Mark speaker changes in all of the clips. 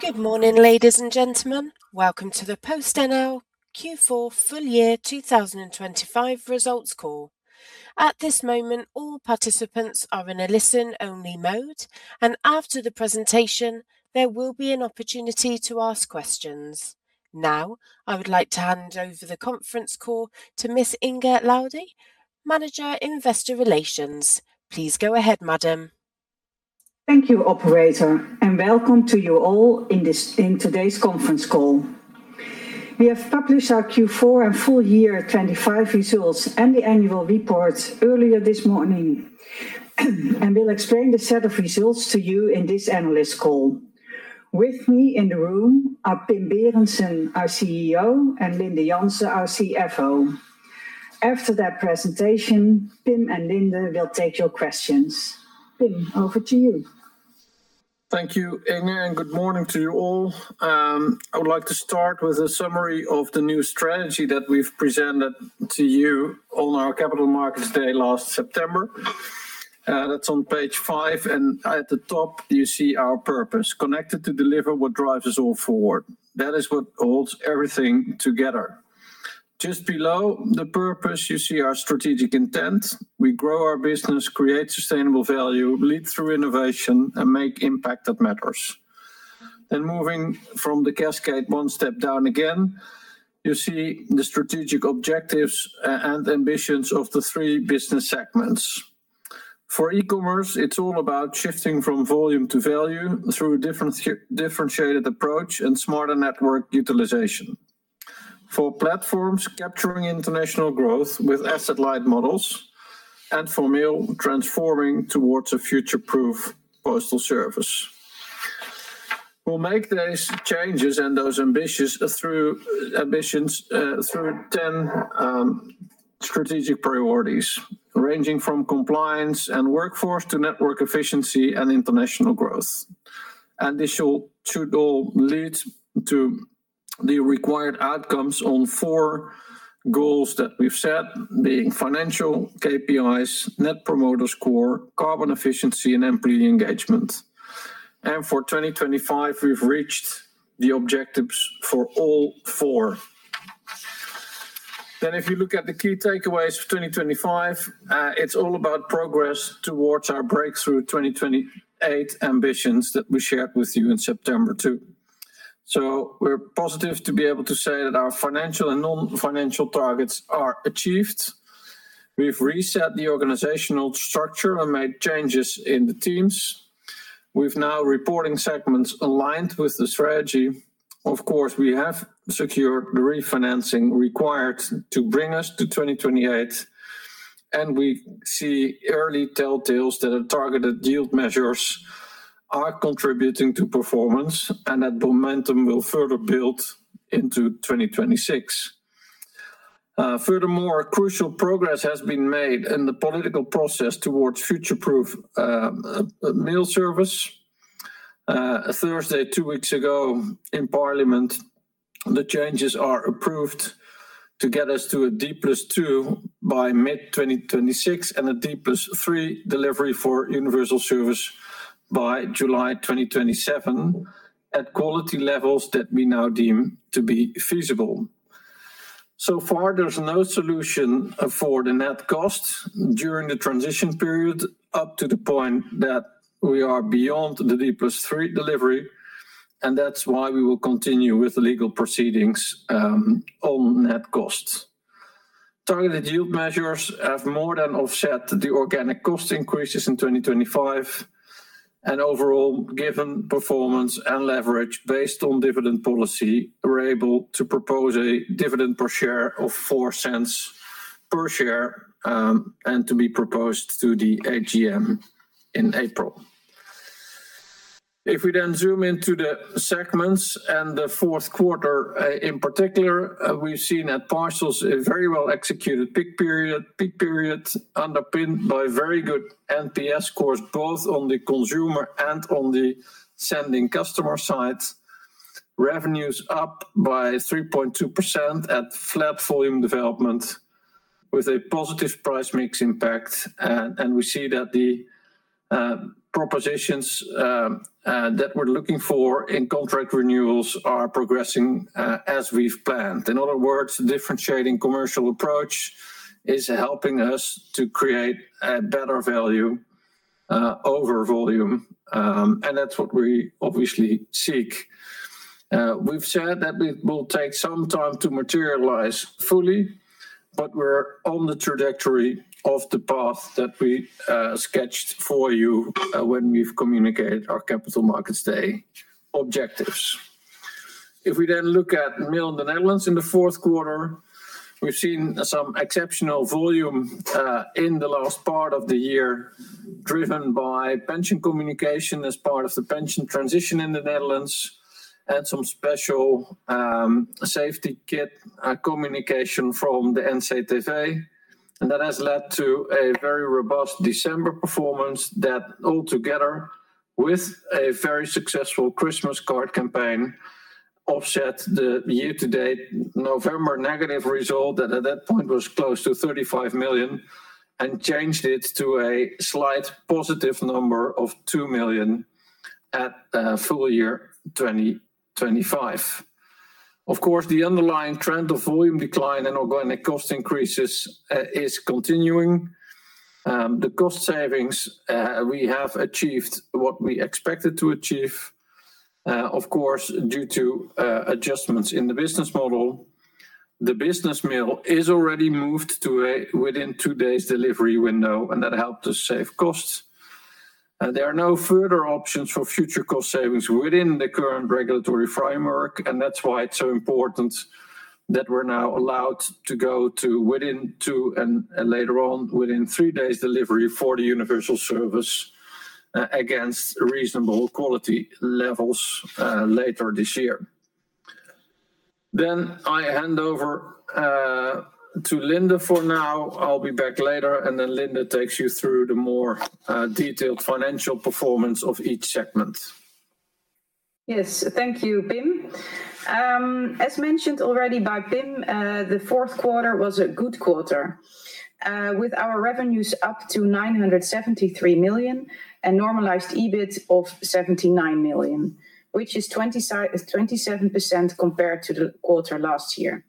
Speaker 1: Good morning, ladies and gentlemen. Welcome to the PostNL Q4 Full Year 2025 results call. At this moment, all participants are in a listen-only mode, and after the presentation, there will be an opportunity to ask questions. Now, I would like to hand over the conference call to Miss Inge Laudy, Manager, Investor Relations. Please go ahead, madam.
Speaker 2: Thank you, operator. Welcome to you all in today's conference call. We have published our Q4 and full year 2025 results and the annual report earlier this morning. We'll explain the set of results to you in this analyst call. With me in the room are Pim Berendsen, our CEO, and Linde Jansen, our CFO. After that presentation, Pim and Linde will take your questions. Pim, over to you.
Speaker 3: Thank you, Inge, and good morning to you all. I would like to start with a summary of the new strategy that we've presented to you on our Capital Markets Day last September. That's on page five, and at the top, you see our purpose: connected to deliver what drives us all forward. That is what holds everything together. Just below the purpose, you see our strategic intent. We grow our business, create sustainable value, lead through innovation, and make impact that matters. Then moving from the cascade one step down again, you see the strategic objectives and ambitions of the three business segments. For e-commerce, it's all about shifting from volume to value through differentiated approach and smarter network utilization. For platforms, capturing international growth with asset-light models, and for Mail, transforming towards a future-proof postal service. We'll make these changes and those ambitious through... ambitions, through 10 strategic priorities, ranging from compliance and workforce to network efficiency and international growth. This should all lead to the required outcomes on four goals that we've set, being financial KPIs, Net Promoter Score, carbon efficiency, and employee engagement. For 2025, we've reached the objectives for all four. If you look at the key takeaways for 2025, it's all about progress towards our Breakthrough 2028 ambitions that we shared with you in September too. We're positive to be able to say that our financial and non-financial targets are achieved. We've reset the organizational structure and made changes in the teams. We've now reporting segments aligned with the strategy. Of course, we have secured the refinancing required to bring us to 2028, and we see early telltales that our targeted yield measures are contributing to performance, and that momentum will further build into 2026. Furthermore, crucial progress has been made in the political process towards future-proof mail service. Thursday, two weeks ago in Parliament, the changes are approved to get us to a D+2 by mid-2026 and a D+3 delivery for universal service by July 2027, at quality levels that we now deem to be feasible. So far, there's no solution for the net cost during the transition period, up to the point that we are beyond the D+3 delivery, and that's why we will continue with the legal proceedings on net costs. Targeted yield measures have more than offset the organic cost increases in 2025. Overall, given performance and leverage based on dividend policy, we're able to propose a dividend per share of 0.04 per share and to be proposed to the AGM in April. If we zoom into the segments and the fourth quarter in particular, we've seen at Parcels, a very well-executed peak period, peak period, underpinned by very good NPS scores, both on the consumer and on the sending customer side. Revenues up by 3.2% at flat volume development, with a positive price mix impact. We see that the propositions that we're looking for in contract renewals are progressing as we've planned. In other words, differentiating commercial approach is helping us to create a better value over volume, and that's what we obviously seek. We've said that it will take some time to materialize fully, but we're on the trajectory of the path that we sketched for you when we've communicated our Capital Markets Day objectives. If we then look at Mail in the Netherlands in the fourth quarter, we've seen some exceptional volume in the last part of the year, driven by pension communication as part of the pension transition in the Netherlands, and some special safety kit communication from the NCTV. That has led to a very robust December performance that altogether, with a very successful Christmas card campaign-... offset the year-to-date November negative result, and at that point was close to 35 million, and changed it to a slight positive number of 2 million at full year 2025. Of course, the underlying trend of volume decline and organic cost increases is continuing. The cost savings, we have achieved what we expected to achieve. Of course, due to adjustments in the business model, the business mail is already moved to a within two days delivery window, and that helped us save costs. There are no further options for future cost savings within the current regulatory framework, and that's why it's so important that we're now allowed to go to within two and, later on, within three days delivery for the universal service against reasonable quality levels later this year. I hand over to Linde for now. I'll be back later, and then Linde takes you through the more, detailed financial performance of each segment.
Speaker 4: Yes, thank you, Pim. As mentioned already by Pim, the fourth quarter was a good quarter, with our revenues up to 973 million and normalized EBIT of 79 million, which is 27% compared to the quarter last year.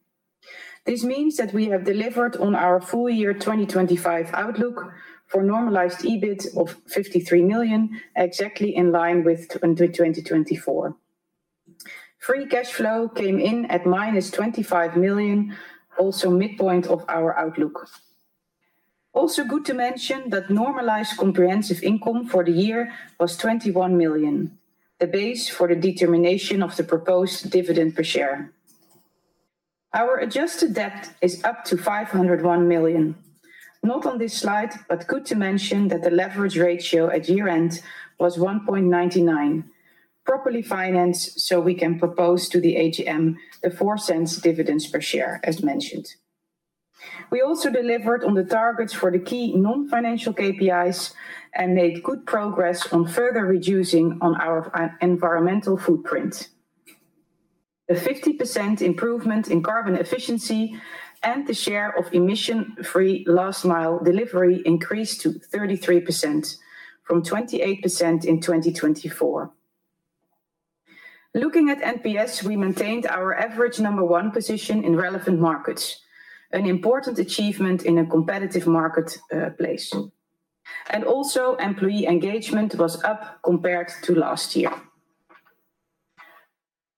Speaker 4: This means that we have delivered on our full year 2025 outlook for normalized EBIT of 53 million, exactly in line with 2024. Free cash flow came in at -25 million, also midpoint of our outlook. Also, good to mention that normalized comprehensive income for the year was 21 million, the base for the determination of the proposed dividend per share. Our adjusted debt is up to 501 million. Good to mention that the leverage ratio at year-end was 1.99, properly financed, so we can propose to the AGM the 0.04 dividends per share, as mentioned. We also delivered on the targets for the key non-financial KPIs and made good progress on further reducing on our environmental footprint. The 50% improvement in carbon efficiency and the share of emission-free last mile delivery increased to 33%, from 28% in 2024. Looking at NPS, we maintained our average number one position in relevant markets, an important achievement in a competitive market place. Also, employee engagement was up compared to last year.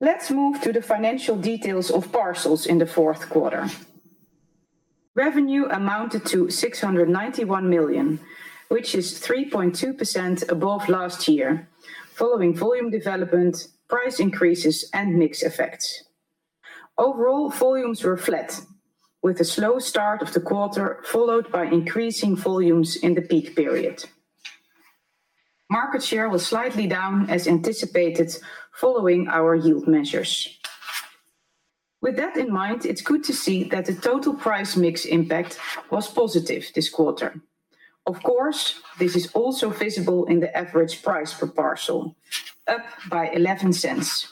Speaker 4: Let's move to the financial details of parcels in the fourth quarter. Revenue amounted to 691 million, which is 3.2% above last year, following volume development, price increases, and mix effects. Overall, volumes were flat, with a slow start of the quarter, followed by increasing volumes in the peak period. Market share was slightly down, as anticipated, following our yield measures. With that in mind, it's good to see that the total price mix impact was positive this quarter. Of course, this is also visible in the average price per parcel, up by 0.11,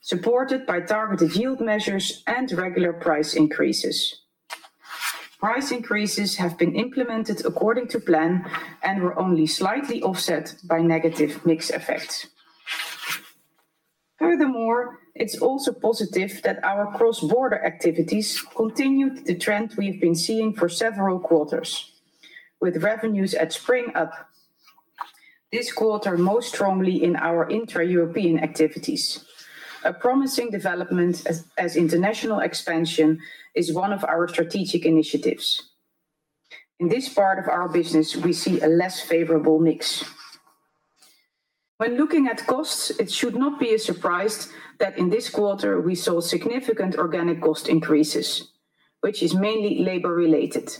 Speaker 4: supported by targeted yield measures and regular price increases. Price increases have been implemented according to plan and were only slightly offset by negative mix effects. Furthermore, it's also positive that our cross-border activities continued the trend we've been seeing for several quarters, with revenues at Spring up. This quarter, most strongly in our intra-European activities, a promising development as international expansion is one of our strategic initiatives. In this part of our business, we see a less favorable mix. When looking at costs, it should not be a surprise that in this quarter we saw significant organic cost increases, which is mainly labor-related.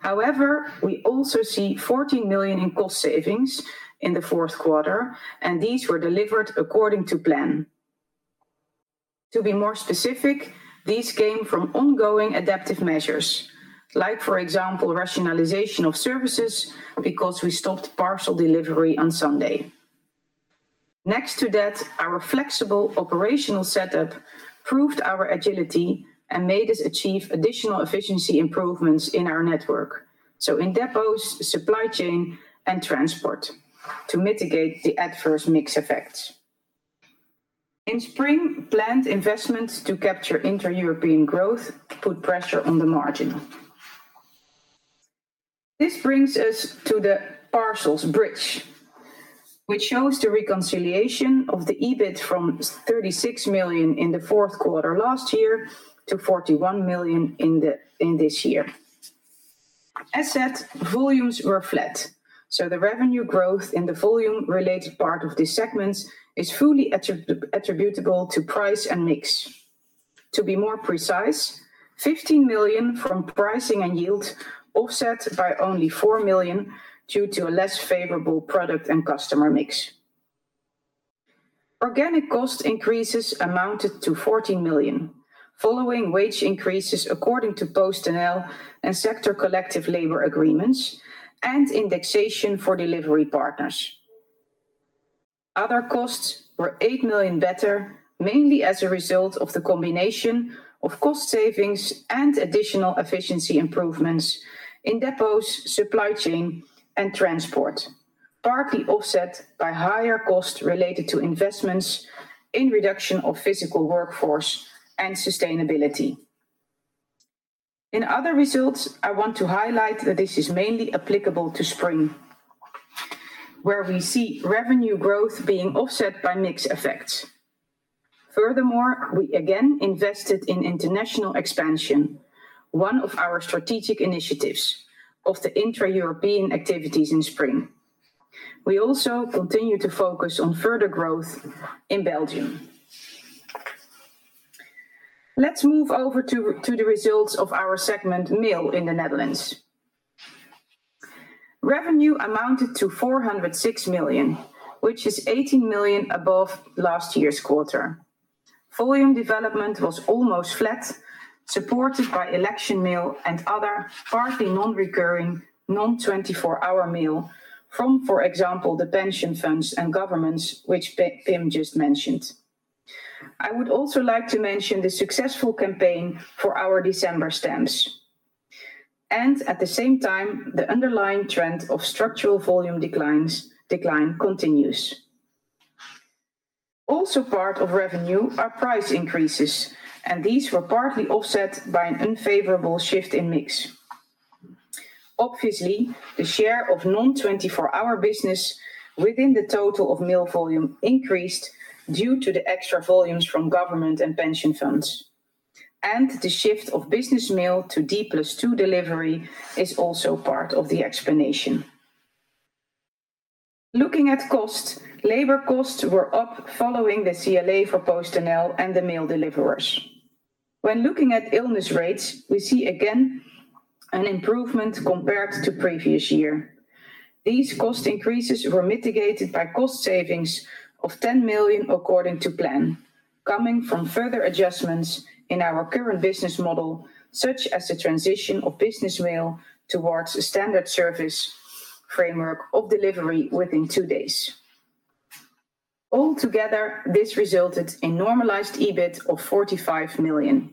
Speaker 4: However, we also see 14 million in cost savings in the fourth quarter, and these were delivered according to plan. To be more specific, these came from ongoing adaptive measures, like, for example, rationalization of services, because we stopped parcel delivery on Sunday. Next to that, our flexible operational setup proved our agility and made us achieve additional efficiency improvements in our network, so in depots, supply chain, and transport, to mitigate the adverse mix effects. In Spring, planned investments to capture inter-European growth put pressure on the margin. This brings us to the Parcels Bridge, which shows the reconciliation of the EBIT from 36 million in the fourth quarter last year to 41 million in this year. As said, volumes were flat, the revenue growth in the volume-related part of these segments is fully attributable to price and mix. To be more precise, 15 million from pricing and yield, offset by only 4 million, due to a less favorable product and customer mix. Organic cost increases amounted to 14 million, following wage increases according to PostNL and sector collective labor agreements and indexation for delivery partners. Other costs were 8 million better, mainly as a result of the combination of cost savings and additional efficiency improvements in depots, supply chain, and transport. Partly offset by higher costs related to investments in reduction of physical workforce and sustainability. In other results, I want to highlight that this is mainly applicable to Spring, where we see revenue growth being offset by mixed effects. Furthermore, we again invested in international expansion, one of our strategic initiatives of the intra-European activities in Spring. We also continue to focus on further growth in Belgium. Let's move over to the results of our segment Mail in the Netherlands. Revenue amounted to 406 million, which is 80 million above last year's quarter. Volume development was almost flat, supported by election mail and other partly non-recurring, non-24-hour mail from, for example, the pension funds and governments, which Pim just mentioned. I would also like to mention the successful campaign for our December stamps. At the same time, the underlying trend of structural volume decline continues. Also, part of revenue are price increases, and these were partly offset by an unfavorable shift in mix. Obviously, the share of non-24-hour business within the total of mail volume increased due to the extra volumes from government and pension funds. The shift of business mail to D+2 delivery is also part of the explanation. Looking at cost, labor costs were up following the CLA for PostNL and the mail deliverers. When looking at illness rates, we see again an improvement compared to previous year. These cost increases were mitigated by cost savings of 10 million, according to plan, coming from further adjustments in our current business model, such as the transition of business mail towards a standard service framework of delivery within two days. Altogether, this resulted in normalized EBIT of 45 million.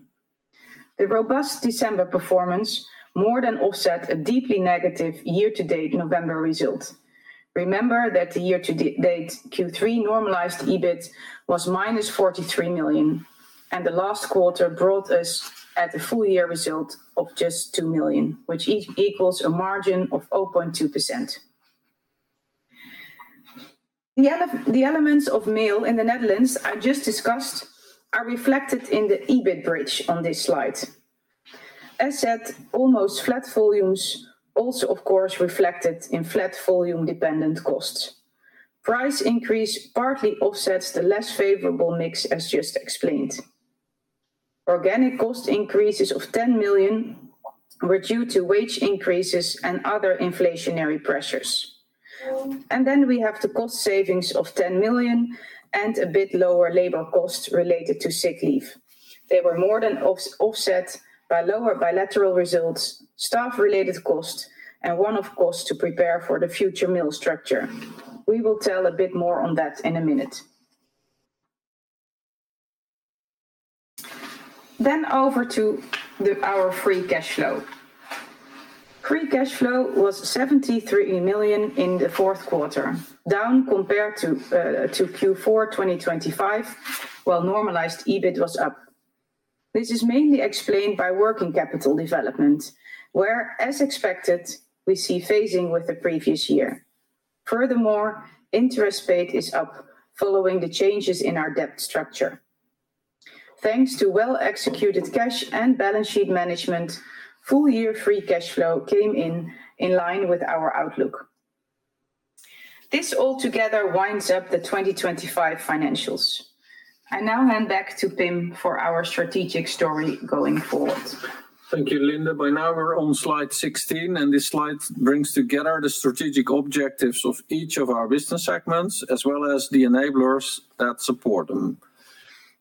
Speaker 4: The robust December performance more than offset a deeply negative year-to-date November result. Remember that the year-to-date Q3 normalized EBIT was -43 million. The last quarter brought us at a full year result of just 2 million, which equals a margin of 0.2%. The elements of Mail in the Netherlands I just discussed are reflected in the EBIT bridge on this slide. As said, almost flat volumes also, of course, reflected in flat volume-dependent costs. Price increase partly offsets the less favorable mix, as just explained. Organic cost increases of 10 million were due to wage increases and other inflationary pressures. Then we have the cost savings of 10 million and a bit lower labor costs related to sick leave. They were more than offset by lower bilateral results, staff-related costs, and one-off costs to prepare for the future mail structure. We will tell a bit more on that in a minute. Over to our free cash flow. Free cash flow was 73 million in the fourth quarter, down compared to Q4 in 2025, while normalized EBIT was up. This is mainly explained by working capital development, where, as expected, we see phasing with the previous year. Furthermore, interest paid is up following the changes in our debt structure. Thanks to well-executed cash and balance sheet management, full year free cash flow came in, in line with our outlook. This all together winds up the 2025 financials. I now hand back to Pim for our strategic story going forward.
Speaker 3: Thank you, Linde. By now, we're on slide 16. This slide brings together the strategic objectives of each of our business segments, as well as the enablers that support them.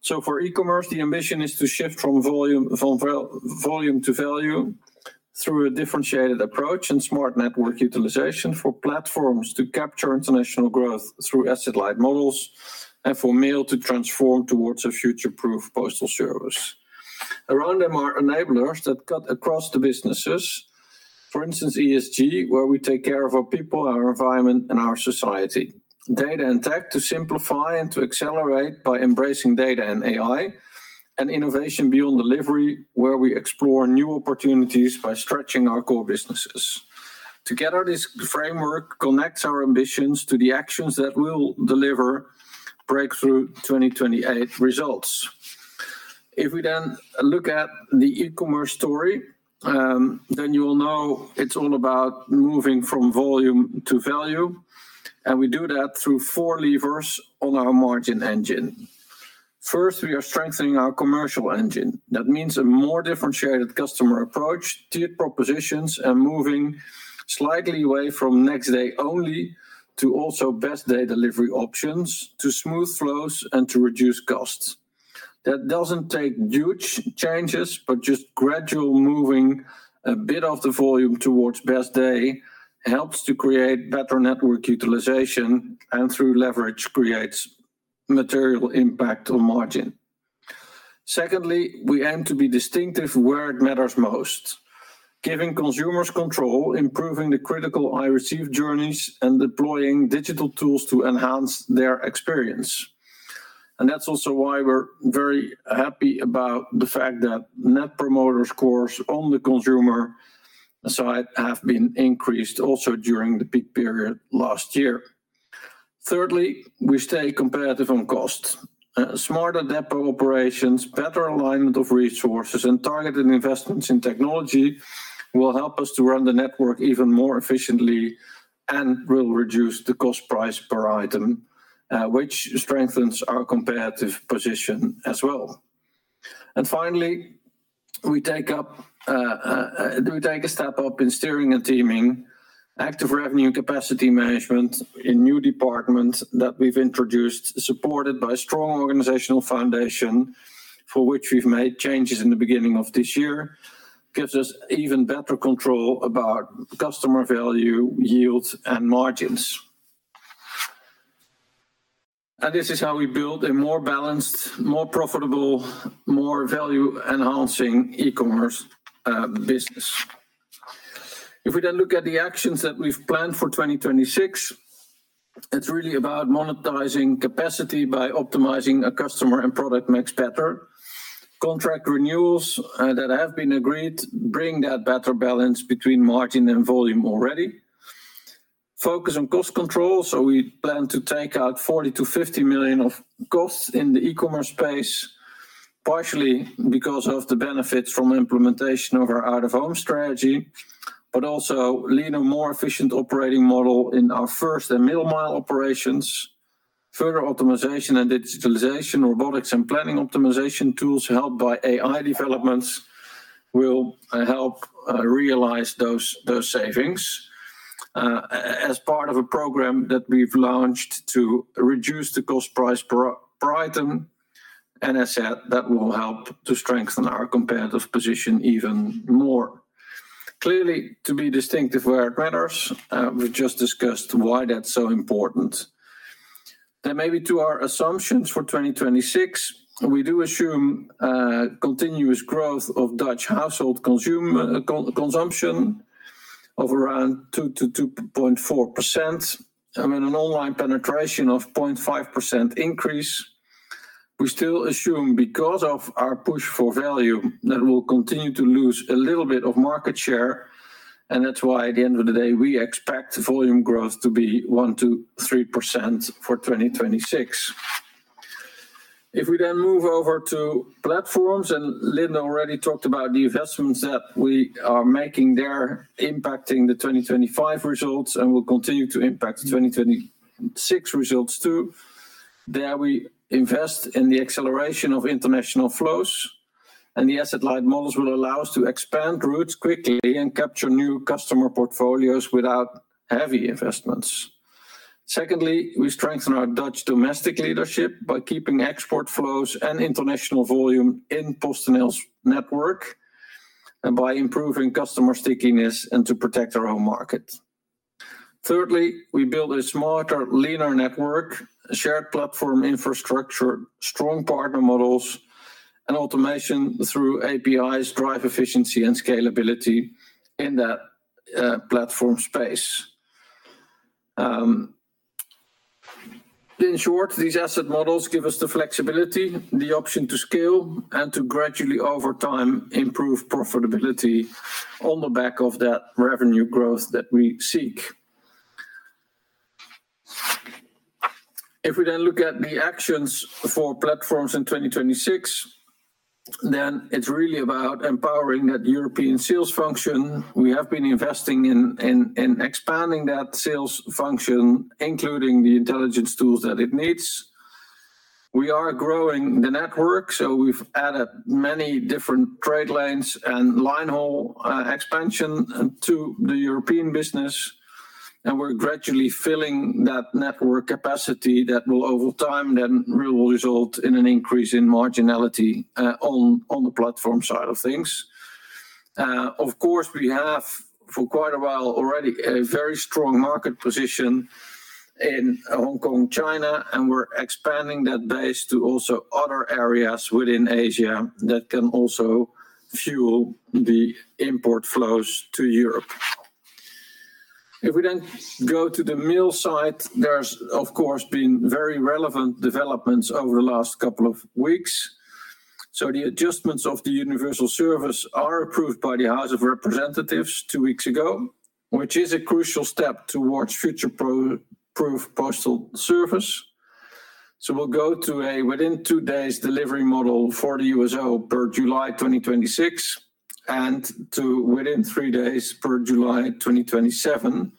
Speaker 3: For E-commerce, the ambition is to shift from volume, from volume to value through a differentiated approach and smart network utilization for platforms to capture international growth through asset-light models. For Mail to transform towards a future-proof postal service. Around them are enablers that cut across the businesses. For instance, ESG, where we take care of our people, our environment, and our society. Data and tech, to simplify and to accelerate by embracing data and AI. Innovation beyond delivery, where we explore new opportunities by stretching our core businesses. Together, this framework connects our ambitions to the actions that will deliver Breakthrough 2028 results. If we then look at the E-commerce story, then you will know it's all about moving from volume to value, and we do that through four levers on our margin engine. First, we are strengthening our commercial engine. That means a more differentiated customer approach, tiered propositions, and moving slightly away from next day only to also best day delivery options, to smooth flows and to reduce costs. That doesn't take huge changes, but just gradual moving a bit of the volume towards best day, helps to create better network utilization, and through leverage, creates material impact on margin. Secondly, we aim to be distinctive where it matters most, giving consumers control, improving the critical I received journeys, and deploying digital tools to enhance their experience. That's also why we're very happy about the fact that Net Promoter Scores on the consumer side have been increased also during the peak period last year. Thirdly, we stay competitive on cost. Smarter depot operations, better alignment of resources, and targeted investments in technology will help us to run the network even more efficiently, and will reduce the cost price per item, which strengthens our competitive position as well. Finally, we take up, do we take a step up in steering and teaming, active revenue capacity management in new departments that we've introduced, supported by a strong organizational foundation, for which we've made changes in the beginning of this year, gives us even better control about customer value, yields, and margins. This is how we build a more balanced, more profitable, more value-enhancing e-commerce business. We then look at the actions that we've planned for 2026, it's really about monetizing capacity by optimizing a customer and product mix better. Contract renewals that have been agreed, bring that better balance between margin and volume already. Focus on cost control. We plan to take out 40 million-50 million of costs in the e-commerce space, partially because of the benefits from implementation of our out-of-home strategy, but also lean a more efficient operating model in our first and middle-mile operations. Further optimization and digitalization, robotics and planning optimization tools helped by AI developments, will help realize those savings. As part of a program that we've launched to reduce the cost price per item, and I said, that will help to strengthen our competitive position even more. Clearly, to be distinctive where it matters, we just discussed why that's so important. Maybe to our assumptions for 2026, we do assume continuous growth of Dutch household consumption of around 2%-2.4% and an online penetration of 0.5% increase. We still assume because of our push for value, that we'll continue to lose a little bit of market share, and that's why at the end of the day, we expect volume growth to be 1%-3% for 2026. If we then move over to platforms, and Linde already talked about the investments that we are making there, impacting the 2025 results, and will continue to impact 2026 results, too. There, we invest in the acceleration of international flows, and the asset-light models will allow us to expand routes quickly and capture new customer portfolios without heavy investments. Secondly, we strengthen our Dutch domestic leadership by keeping export flows and international volume in PostNL's network, and by improving customer stickiness and to protect our own market. Thirdly, we build a smarter, leaner network, a shared platform infrastructure, strong partner models, and automation through APIs, drive efficiency and scalability in that platform space. In short, these asset models give us the flexibility, the option to scale, and to gradually, over time, improve profitability on the back of that revenue growth that we seek. If we then look at the actions for platforms in 2026, it's really about empowering that European sales function. We have been investing in expanding that sales function, including the intelligence tools that it needs. We are growing the network, we've added many different trade lanes and line-haul expansion to the European business, and we're gradually filling that network capacity that will, over time, then will result in an increase in marginality on the platform side of things. Of course, we have, for quite a while already, a very strong market position in Hong Kong, China, and we're expanding that base to also other areas within Asia that can also fuel the import flows to Europe. If we then go to the mail side, there's, of course, been very relevant developments over the last couple of weeks. The adjustments of the universal service are approved by the House of Representatives two weeks ago, which is a crucial step towards future-proof postal service. We'll go to a within- two-days delivery model for the USO per July 2026, and to within-three-days per July 2027,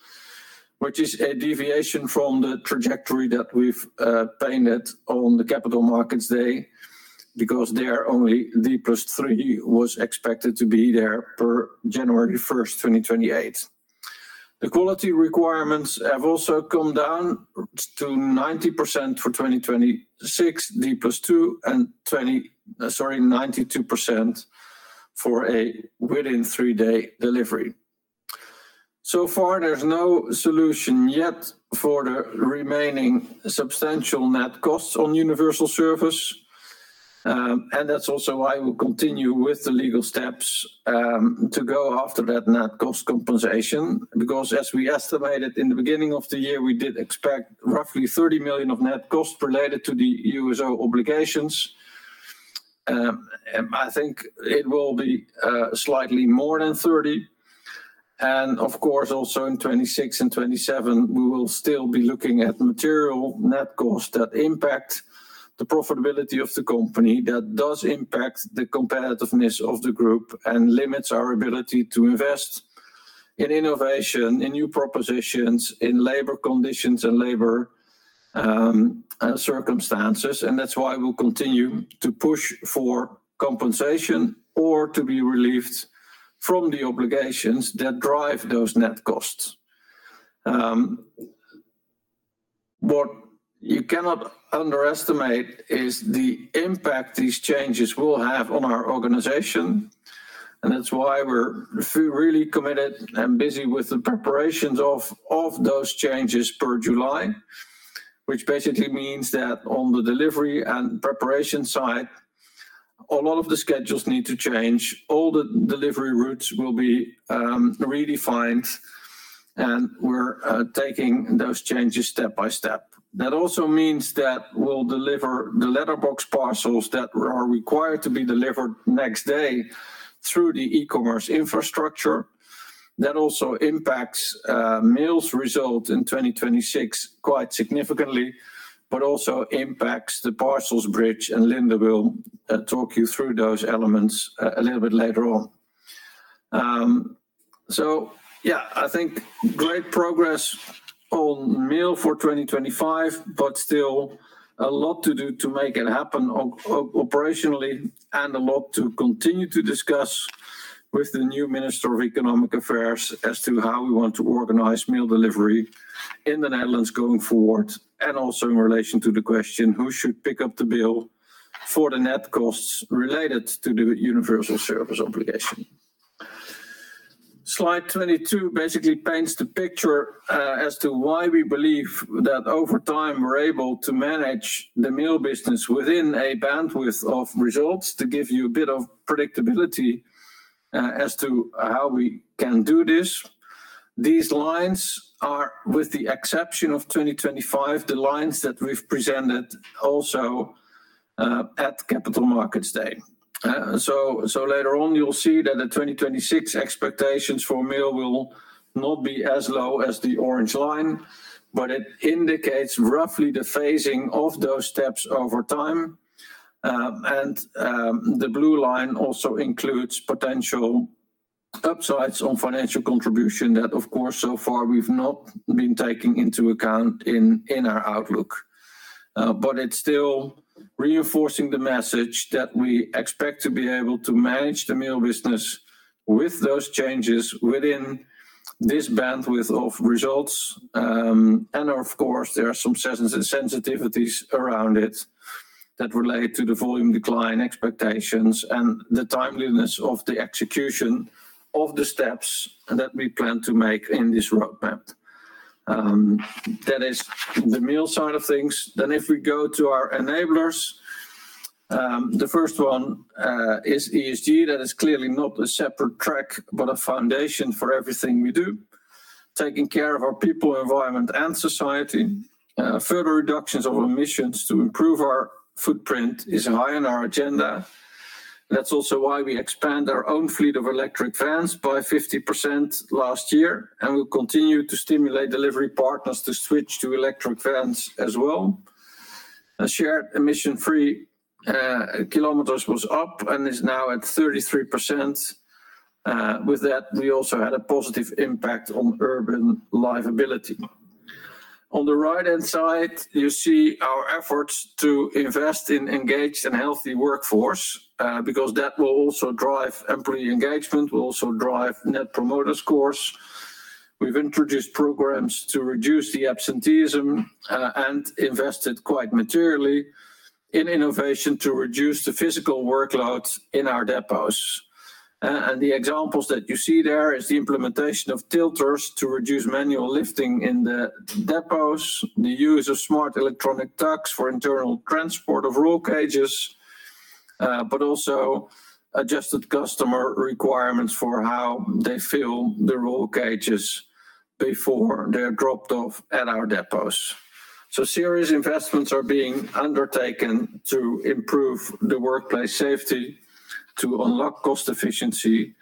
Speaker 3: which is a deviation from the trajectory that we've painted on the Capital Markets Day, because there only D+3 was expected to be there per January 1st, 2028. The quality requirements have also come down to 90% for 2026, D+2, and sorry, 92% for a within three-day delivery. There's no solution yet for the remaining substantial net costs on universal service. That's also why we'll continue with the legal steps to go after that net cost compensation. As we estimated in the beginning of the year, we did expect roughly 30 million of net costs related to the USO obligations. I think it will be slightly more than 30 million. Of course, also in 2026 and 2027, we will still be looking at material net cost that impact the profitability of the company, that does impact the competitiveness of the group, and limits our ability to invest in innovation, in new propositions, in labor conditions and labor circumstances. That's why we'll continue to push for compensation or to be relieved from the obligations that drive those net costs. What you cannot underestimate is the impact these changes will have on our organization, and that's why we're really committed and busy with the preparations of those changes per July. Basically means that on the delivery and preparation side, a lot of the schedules need to change. All the delivery routes will be redefined, and we're taking those changes step by step. That also means that we'll deliver the letterbox parcels that are required to be delivered next day through the e-commerce infrastructure. That also impacts mail's result in 2026 quite significantly, but also impacts the Parcels Bridge, and Linde will talk you through those elements a little bit later on. Yeah, I think great progress on mail for 2025, but still a lot to do to make it happen operationally, and a lot to continue to discuss with the new Minister of Economic Affairs as to how we want to organize mail delivery in the Netherlands going forward, and also in relation to the question, who should pick up the bill for the net costs related to the Universal Service Obligation? Slide 22 basically paints the picture as to why we believe that over time, we're able to manage the mail business within a bandwidth of results, to give you a bit of predictability as to how we can do this. These lines are, with the exception of 2025, the lines that we've presented also at Capital Markets Day. Later on, you'll see that the 2026 expectations for mail will not be as low as the orange line, but it indicates roughly the phasing of those steps over time. The blue line also includes potential upsides on financial contribution that, of course, so far we've not been taking into account in our outlook. It's still reinforcing the message that we expect to be able to manage the mail business with those changes within this bandwidth of results. Of course, there are some sensitivities around it that relate to the volume decline expectations and the timeliness of the execution of the steps that we plan to make in this roadmap. That is the mail side of things. If we go to our enablers, the first one is ESG. That is clearly not a separate track, but a foundation for everything we do. Taking care of our people, environment, and society. Further reductions of emissions to improve our footprint is high on our agenda. That's also why we expand our own fleet of electric vans by 50% last year. We'll continue to stimulate delivery partners to switch to electric vans as well. A shared emission-free kilometers was up and is now at 33%. With that, we also had a positive impact on urban livability. On the right-hand side, you see our efforts to invest in engaged and healthy workforce, because that will also drive employee engagement, will also drive Net Promoter Scores. We've introduced programs to reduce the absenteeism. We've invested quite materially in innovation to reduce the physical workloads in our depots. The examples that you see there is the implementation of tilters to reduce manual lifting in the depots, the use of smart electronic tugs for internal transport of roll cages, but also adjusted customer requirements for how they fill the roll cages before they're dropped off at our depots. Serious investments are being undertaken to improve the workplace safety, to unlock cost efficiency,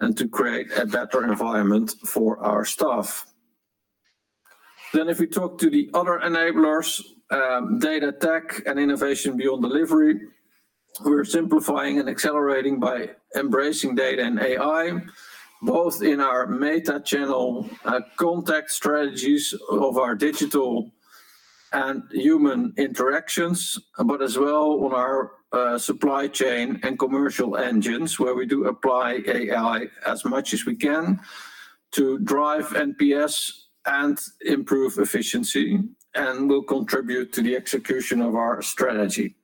Speaker 3: and to create a better environment for our staff. If we talk to the other enablers, data tech and innovation beyond delivery, we're simplifying and accelerating by embracing data and AI, both in our meta-channel contact strategies of our digital and human interactions, but as well on our supply chain and commercial engines, where we do apply AI as much as we can to drive NPS and improve efficiency, and will contribute to the execution of our strategy.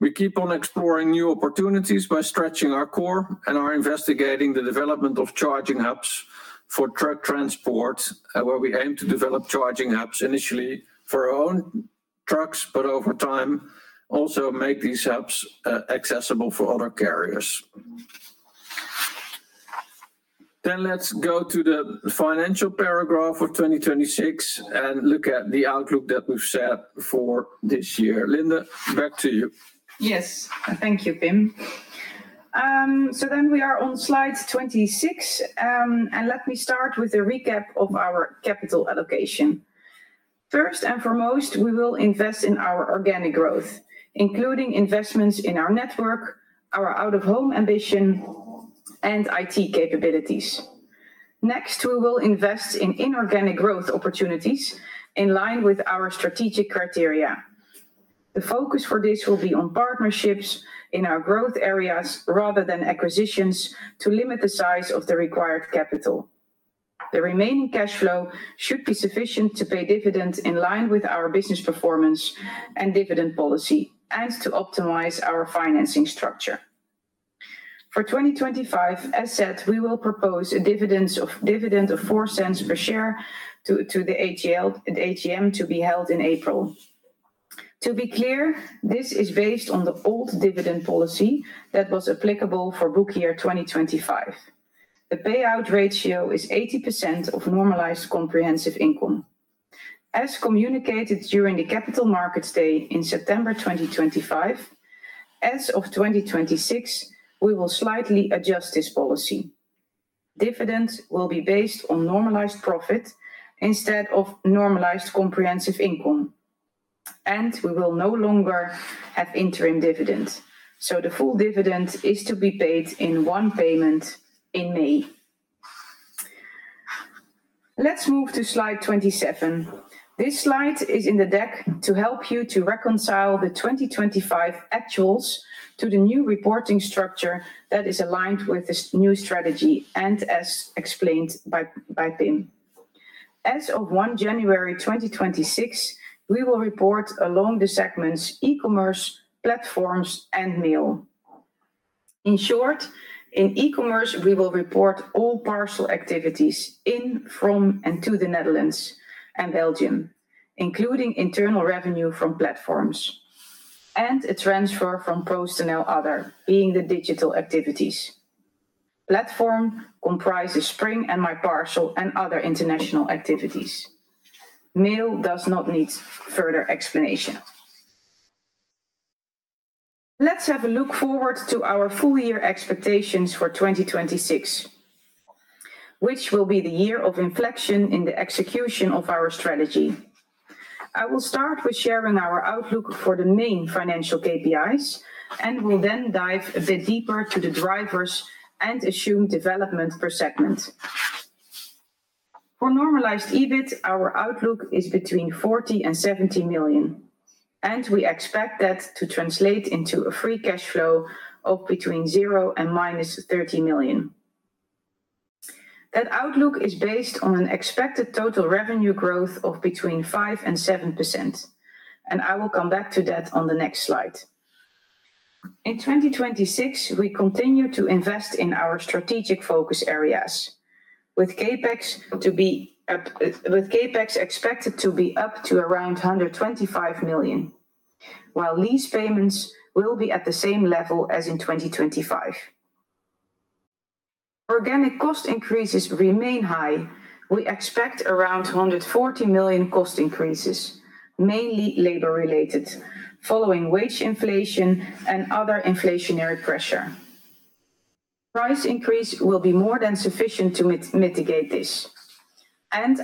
Speaker 3: We keep on exploring new opportunities by stretching our core, and are investigating the development of charging hubs for truck transport, where we aim to develop charging hubs initially for our own trucks, but over time, also make these hubs accessible for other carriers. Let's go to the financial paragraph of 2026, and look at the outlook that we've set for this year. Linde, back to you.
Speaker 4: Yes, thank you, Pim. Then we are on slide 26, and let me start with a recap of our capital allocation. First and foremost, we will invest in our organic growth, including investments in our network, our out-of-home ambition, and IT capabilities. Next, we will invest in inorganic growth opportunities in line with our strategic criteria. The focus for this will be on partnerships in our growth areas rather than acquisitions, to limit the size of the required capital. The remaining cash flow should be sufficient to pay dividends in line with our business performance and dividend policy, and to optimize our financing structure. For 2025, as said, we will propose a dividend of 0.04 per share to the AGM, at the AGM, to be held in April. To be clear, this is based on the old dividend policy that was applicable for book year 2025. The payout ratio is 80% of normalized comprehensive income. As communicated during the Capital Markets Day in September 2025, as of 2026, we will slightly adjust this policy. Dividends will be based on normalized profit instead of normalized comprehensive income, and we will no longer have interim dividends. The full dividend is to be paid in one payment in May. Let's move to slide 27. This slide is in the deck to help you to reconcile the 2025 actuals to the new reporting structure that is aligned with this new strategy, and as explained by Pim. As of 1 January 2026, we will report along the segments, e-commerce, platforms, and mail. In short, in e-commerce, we will report all parcel activities in, from, and to the Netherlands and Belgium, including internal revenue from platforms, and a transfer from PostNL Other, being the digital activities. Platform comprises Spring and MyParcel, and other international activities. Mail does not need further explanation. Let's have a look forward to our full year expectations for 2026, which will be the year of inflection in the execution of our strategy. I will start with sharing our outlook for the main financial KPIs, and will then dive a bit deeper to the drivers and assumed development per segment. For normalized EBIT, our outlook is between 40 million and 70 million, and we expect that to translate into a free cash flow of between 0 and -30 million. That outlook is based on an expected total revenue growth of between 5% and 7%, I will come back to that on the next slide. In 2026, we continue to invest in our strategic focus areas, with CapEx expected to be up to around 125 million, while lease payments will be at the same level as in 2025. Organic cost increases remain high. We expect around 140 million cost increases, mainly labor related, following wage inflation and other inflationary pressure. Price increase will be more than sufficient to mitigate this,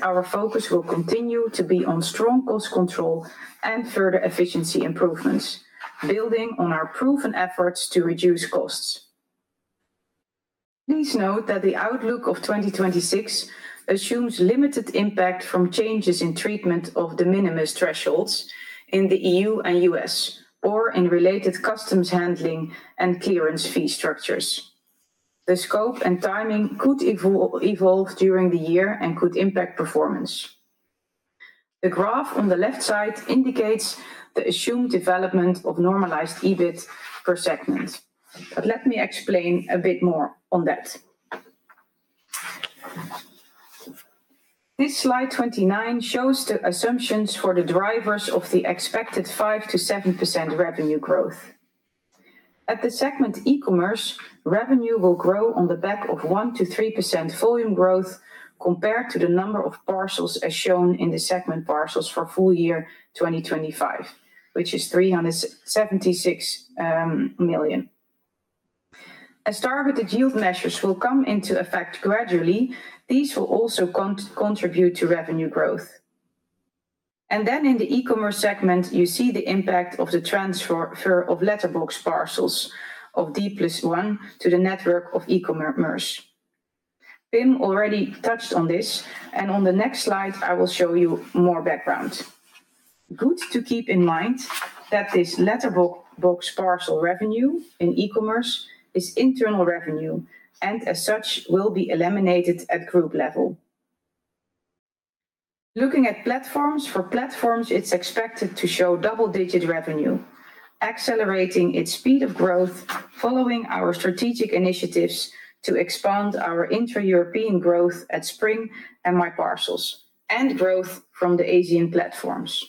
Speaker 4: Our focus will continue to be on strong cost control and further efficiency improvements, building on our proven efforts to reduce costs. Please note that the outlook of 2026 assumes limited impact from changes in treatment of de minimis thresholds in the EU and U.S., or in related customs handling and clearance fee structures. The scope and timing could evolve during the year and could impact performance. The graph on the left side indicates the assumed development of normalized EBIT per segment, but let me explain a bit more on that. This slide 29 shows the assumptions for the drivers of the expected 5%-7% revenue growth. At the segment, e-commerce, revenue will grow on the back of 1%-3% volume growth, compared to the number of parcels as shown in the segment parcels for full year 2025, which is 376 million. As targeted yield measures will come into effect gradually, these will also contribute to revenue growth. In the e-commerce segment, you see the impact of the transfer of letterbox box parcels of D+1 to the network of e-commerce. Pim already touched on this, and on the next slide, I will show you more background. Good to keep in mind that this letterbox box parcel revenue in e-commerce is internal revenue, and as such, will be eliminated at group level. Looking at platforms, for platforms, it's expected to show double-digit revenue, accelerating its speed of growth following our strategic initiatives to expand our intra-European growth at Spring and MyParcel, and growth from the Asian platforms.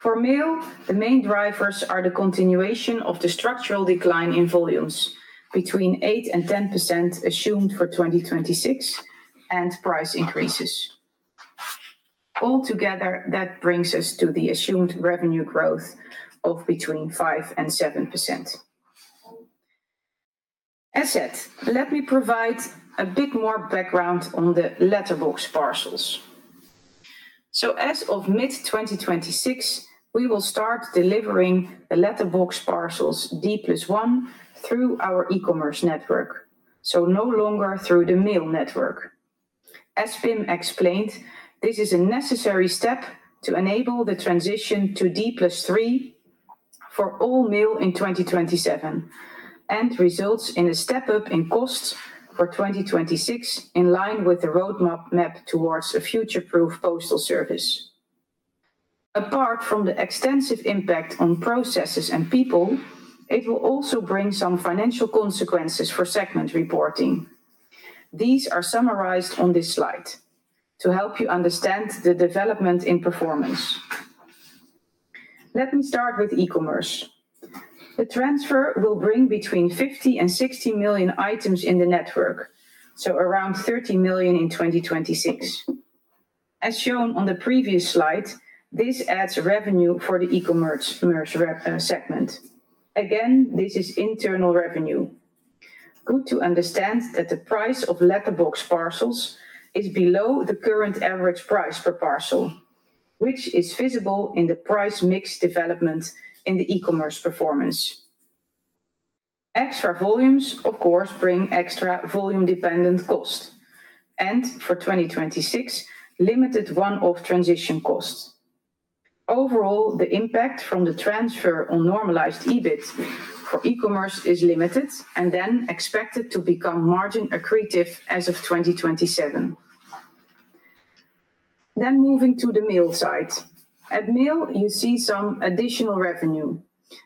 Speaker 4: For Mail, the main drivers are the continuation of the structural decline in volumes between 8% and 10% assumed for 2026, and price increases. Altogether, that brings us to the assumed revenue growth of between 5% and 7%. As said, let me provide a bit more background on the letterbox parcels. As of mid-2026, we will start delivering the letterbox parcels D+1 through our e-commerce network, so no longer through the mail network. As Pim explained, this is a necessary step to enable the transition to D+3 for all mail in 2027, and results in a step up in costs for 2026, in line with the roadmap towards a future-proof postal service. Apart from the extensive impact on processes and people, it will also bring some financial consequences for segment reporting. These are summarized on this slide to help you understand the development in performance. Let me start with e-commerce. The transfer will bring between 50 million and 60 million items in the network, so around 30 million in 2026. As shown on the previous slide, this adds revenue for the e-commerce segment. Again, this is internal revenue. Good to understand that the price of letterbox parcels is below the current average price per parcel, which is visible in the price mix development in the e-commerce performance. Extra volumes, of course, bring extra volume-dependent cost, for 2026, limited one-off transition costs. Overall, the impact from the transfer on normalized EBIT for e-commerce is limited, expected to become margin accretive as of 2027. Moving to the Mail side. At Mail, you see some additional revenue,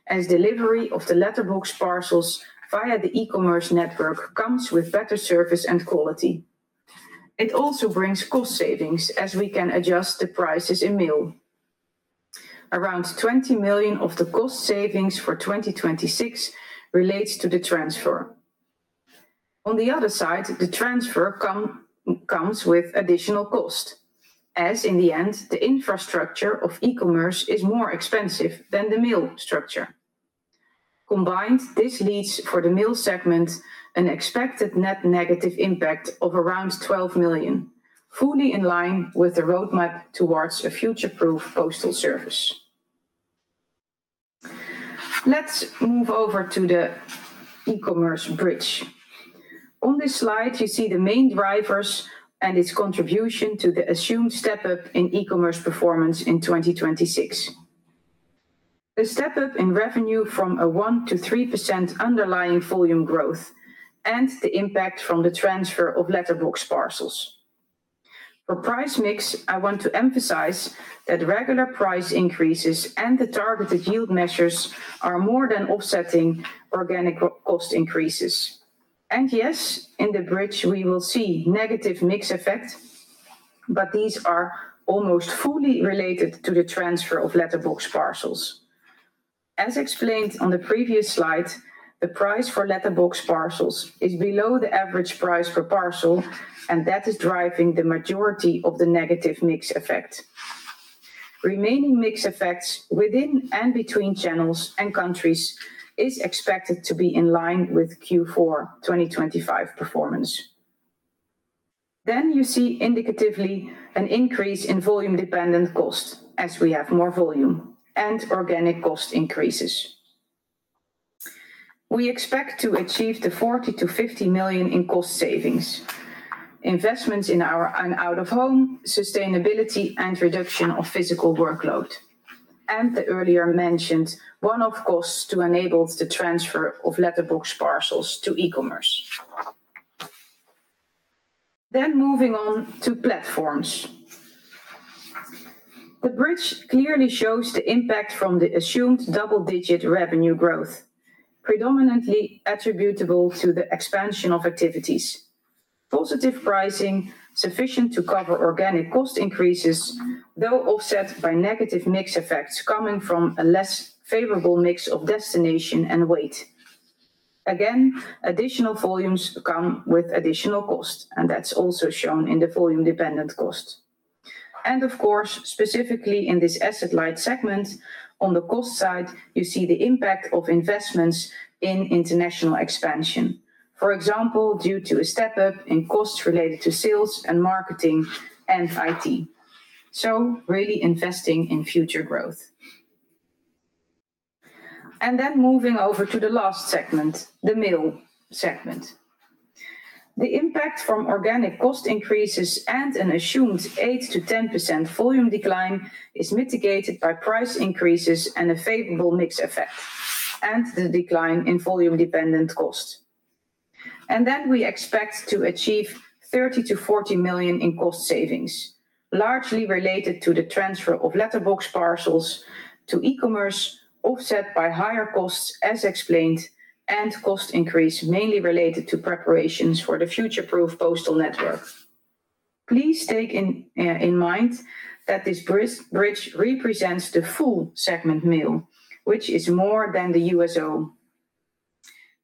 Speaker 4: as delivery of the letterbox parcels via the e-commerce network comes with better service and quality. It also brings cost savings, as we can adjust the prices in Mail. Around 20 million of the cost savings for 2026 relates to the transfer. On the other side, the transfer comes with additional cost, as in the end, the infrastructure of e-commerce is more expensive than the mail structure. Combined, this leads for the mail segment, an expected net negative impact of around 12 million, fully in line with the roadmap towards a future-proof postal service. Let's move over to the e-commerce bridge. On this slide, you see the main drivers and its contribution to the assumed step-up in e-commerce performance in 2026. The step-up in revenue from a 1%-3% underlying volume growth and the impact from the transfer of letterbox parcels. For price mix, I want to emphasize that regular price increases and the targeted yield measures are more than offsetting organic cost increases. Yes, in the bridge, we will see negative mix effect, but these are almost fully related to the transfer of letterbox parcels. As explained on the previous slide, the price for letterbox parcels is below the average price per parcel, that is driving the majority of the negative mix effect. Remaining mix effects within and between channels and countries is expected to be in line with Q4 2025 performance. You see indicatively an increase in volume-dependent cost as we have more volume and organic cost increases. We expect to achieve the 40 million-50 million in cost savings, investments in our and out-of-home, sustainability, and reduction of physical workload, and the earlier mentioned one-off costs to enable the transfer of letterbox parcels to e-commerce. Moving on to platforms. The bridge clearly shows the impact from the assumed double-digit revenue growth, predominantly attributable to the expansion of activities. Positive pricing, sufficient to cover organic cost increases, though offset by negative mix effects coming from a less favorable mix of destination and weight. Again, additional volumes come with additional cost, and that's also shown in the volume-dependent cost. Of course, specifically in this asset-light segment, on the cost side, you see the impact of investments in international expansion. For example, due to a step-up in costs related to sales and marketing and IT. Really investing in future growth. Moving over to the last segment, the mail segment. The impact from organic cost increases and an assumed 8%-10% volume decline is mitigated by price increases and a favorable mix effect, and the decline in volume-dependent costs. Then we expect to achieve 30 million-40 million in cost savings, largely related to the transfer of letterbox parcels to e-commerce, offset by higher costs, as explained, and cost increase, mainly related to preparations for the future-proof postal network. Please take in mind that this bridge represents the full segment mail, which is more than the USO.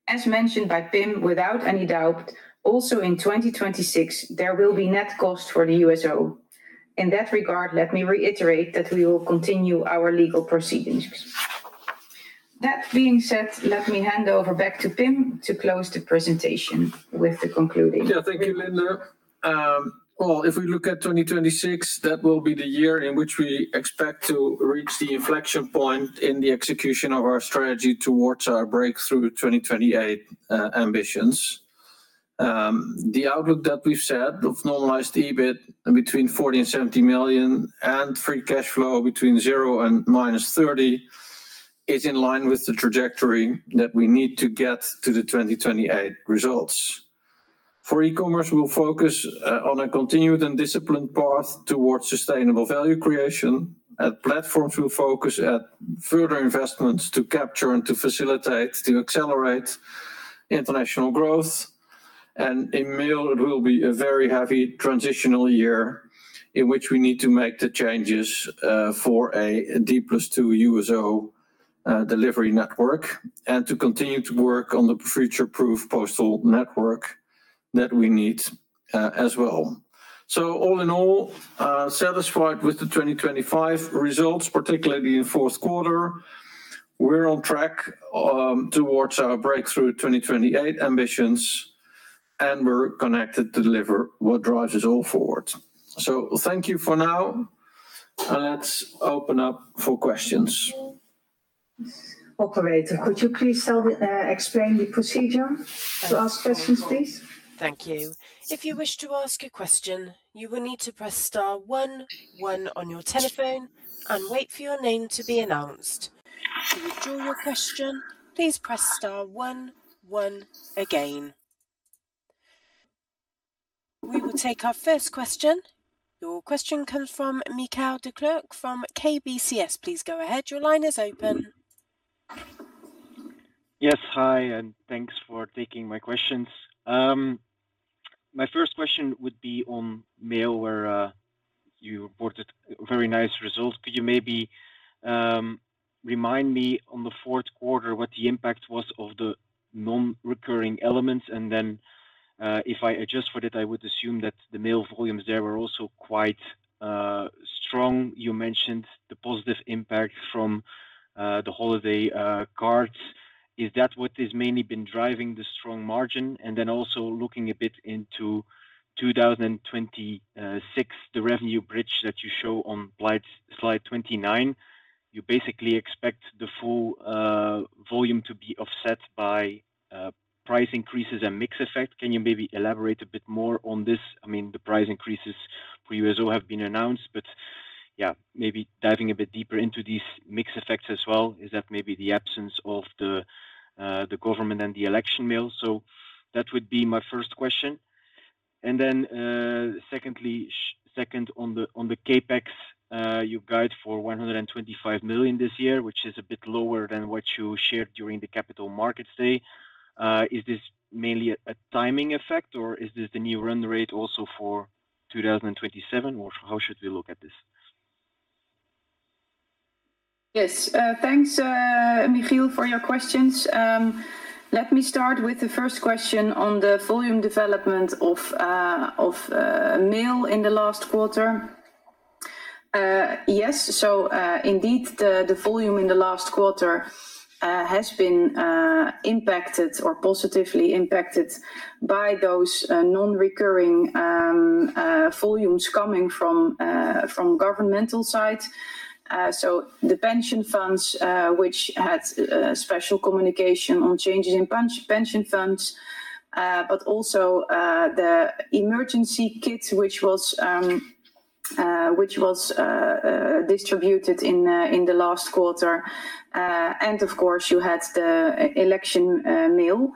Speaker 4: As mentioned by Pim, without any doubt, also in 2026, there will be net costs for the USO. In that regard, let me reiterate that we will continue our legal proceedings. That being said, let me hand over back to Pim to close the presentation with the concluding.
Speaker 3: Yeah. Thank you, Linde. Well, if we look at 2026, that will be the year in which we expect to reach the inflection point in the execution of our strategy towards our Breakthrough 2028 ambitions. The outlook that we've set of normalized EBIT between 40 million and 70 million, and free cash flow between 0 and -30 million, is in line with the trajectory that we need to get to the 2028 results. For e-commerce, we'll focus on a continued and disciplined path towards sustainable value creation. At platforms, we'll focus at further investments to capture and to facilitate, to accelerate international growth. In mail, it will be a very heavy transitional year, in which we need to make the changes for a D+2 USO delivery network, and to continue to work on the future-proof postal network that we need as well. All in all, satisfied with the 2025 results, particularly in fourth quarter. We're on track towards our Breakthrough 2028 ambitions, and we're connected to deliver what drives us all forward. Thank you for now, and let's open up for questions.
Speaker 4: Operator, could you please tell the explain the procedure to ask questions, please?
Speaker 1: Thank you. If you wish to ask a question, you will need to press star one one on your telephone and wait for your name to be announced. To withdraw your question, please press star one one again. We will take our first question. Your question comes from Michiel Declercq from KBCS. Please go ahead. Your line is open.
Speaker 5: Yes, hi, thanks for taking my questions. My first question would be on mail, where you reported very nice results. Could you maybe remind me on the fourth quarter, what the impact was of the non-recurring elements? Then, if I adjust for that, I would assume that the mail volumes there were also quite strong. You mentioned the positive impact from the holiday cards. Is that what is mainly been driving the strong margin? Then also looking a bit into 2026, the revenue bridge that you show on slide 29, you basically expect the full volume to be offset by price increases and mix effect. Can you maybe elaborate a bit more on this? I mean, the price increases for USO have been announced, yeah, maybe diving a bit deeper into these mix effects as well, is that maybe the absence of the government and the election mail? That would be my first question. Secondly, second, on the, on the CapEx, you guide for 125 million this year, which is a bit lower than what you shared during the Capital Markets Day. Is this mainly a timing effect, or is this the new run rate also for 2027? How should we look at this?
Speaker 4: Yes, thanks, Michiel, for your questions. Let me start with the first question on the volume development of mail in the last quarter. Yes, indeed, the volume in the last quarter has been impacted or positively impacted by those non-recurring volumes coming from governmental side. The pension funds, which had special communication on changes in pension funds, but also the emergency kits, which was distributed in the last quarter. Of course, you had the election mail.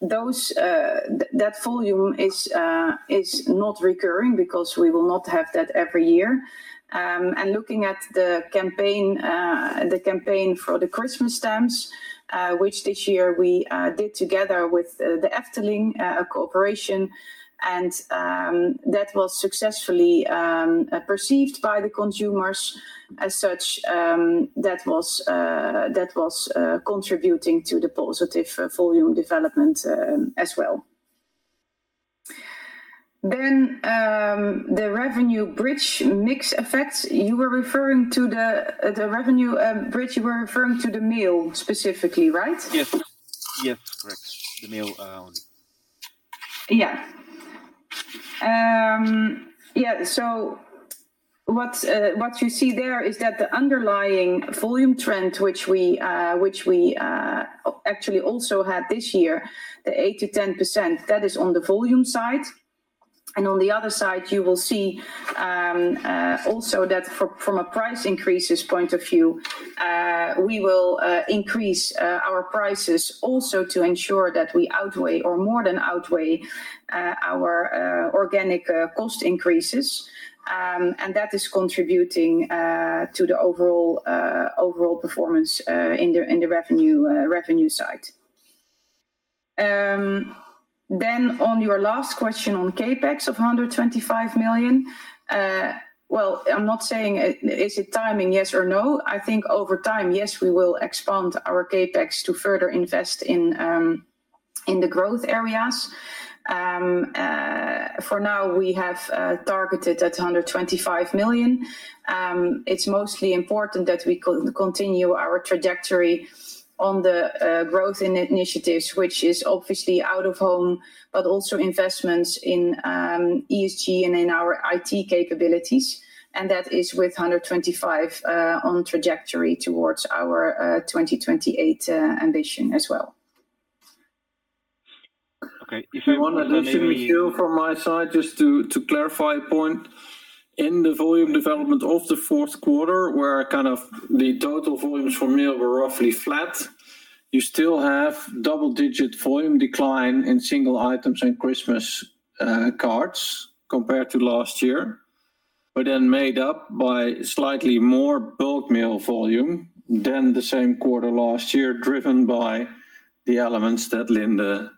Speaker 4: Those, that volume is not recurring because we will not have that every year. Looking at the campaign, the campaign for the Christmas stamps, which this year we did together with the Efteling cooperation, and that was successfully perceived by the consumers. As such, that was that was contributing to the positive volume development as well. The revenue bridge mix effects, you were referring to the revenue bridge, you were referring to the mail specifically, right?
Speaker 5: Yes. Yes, correct. The mail, only.
Speaker 4: What's what you see there is that the underlying volume trend, which we, which we actually also had this year, the 8%-10%, that is on the volume side. On the other side, you will see also that from, from a price increases point of view, we will increase our prices also to ensure that we outweigh or more than outweigh our organic cost increases. That is contributing to the overall overall performance in the revenue revenue side. On your last question on CapEx of 125 million, well, I'm not saying, is it timing, yes or no? I think over time, yes, we will expand our CapEx to further invest in the growth areas. For now, we have targeted at 125 million. It's mostly important that we continue our trajectory on the growth initiatives, which is obviously out-of-home, but also investments in ESG and in our IT capabilities, and that is with 125 million on trajectory towards our 2028 ambition as well.
Speaker 5: Okay.
Speaker 3: If you want addition, Michiel, from my side, just to, to clarify a point. In the volume development of the fourth quarter, where kind of the total volumes for mail were roughly flat, you still have double-digit volume decline in single items and Christmas cards compared to last year, but then made up by slightly more bulk mail volume than the same quarter last year, driven by the elements that Linde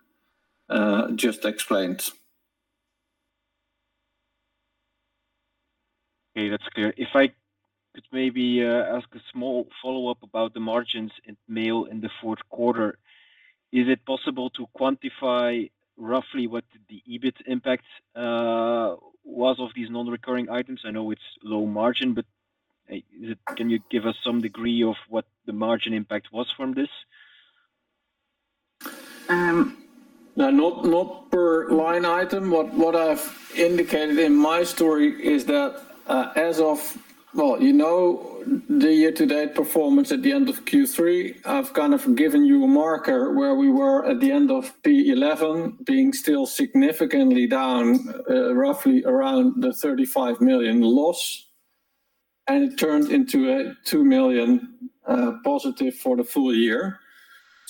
Speaker 3: just explained.
Speaker 5: Okay, that's clear. I could maybe ask a small follow-up about the margins in mail in the fourth quarter. Is it possible to quantify roughly what the EBIT impact was of these non-recurring items? I know it's low margin, but, can you give us some degree of what the margin impact was from this?
Speaker 4: Um-
Speaker 3: No, not, not per line item. What I've indicated in my story is that, as of... Well, you know, the year-to-date performance at the end of Q3, I've kind of given you a marker where we were at the end of P11, being still significantly down, roughly around 35 million loss, and it turned into a 2 million positive for the full year.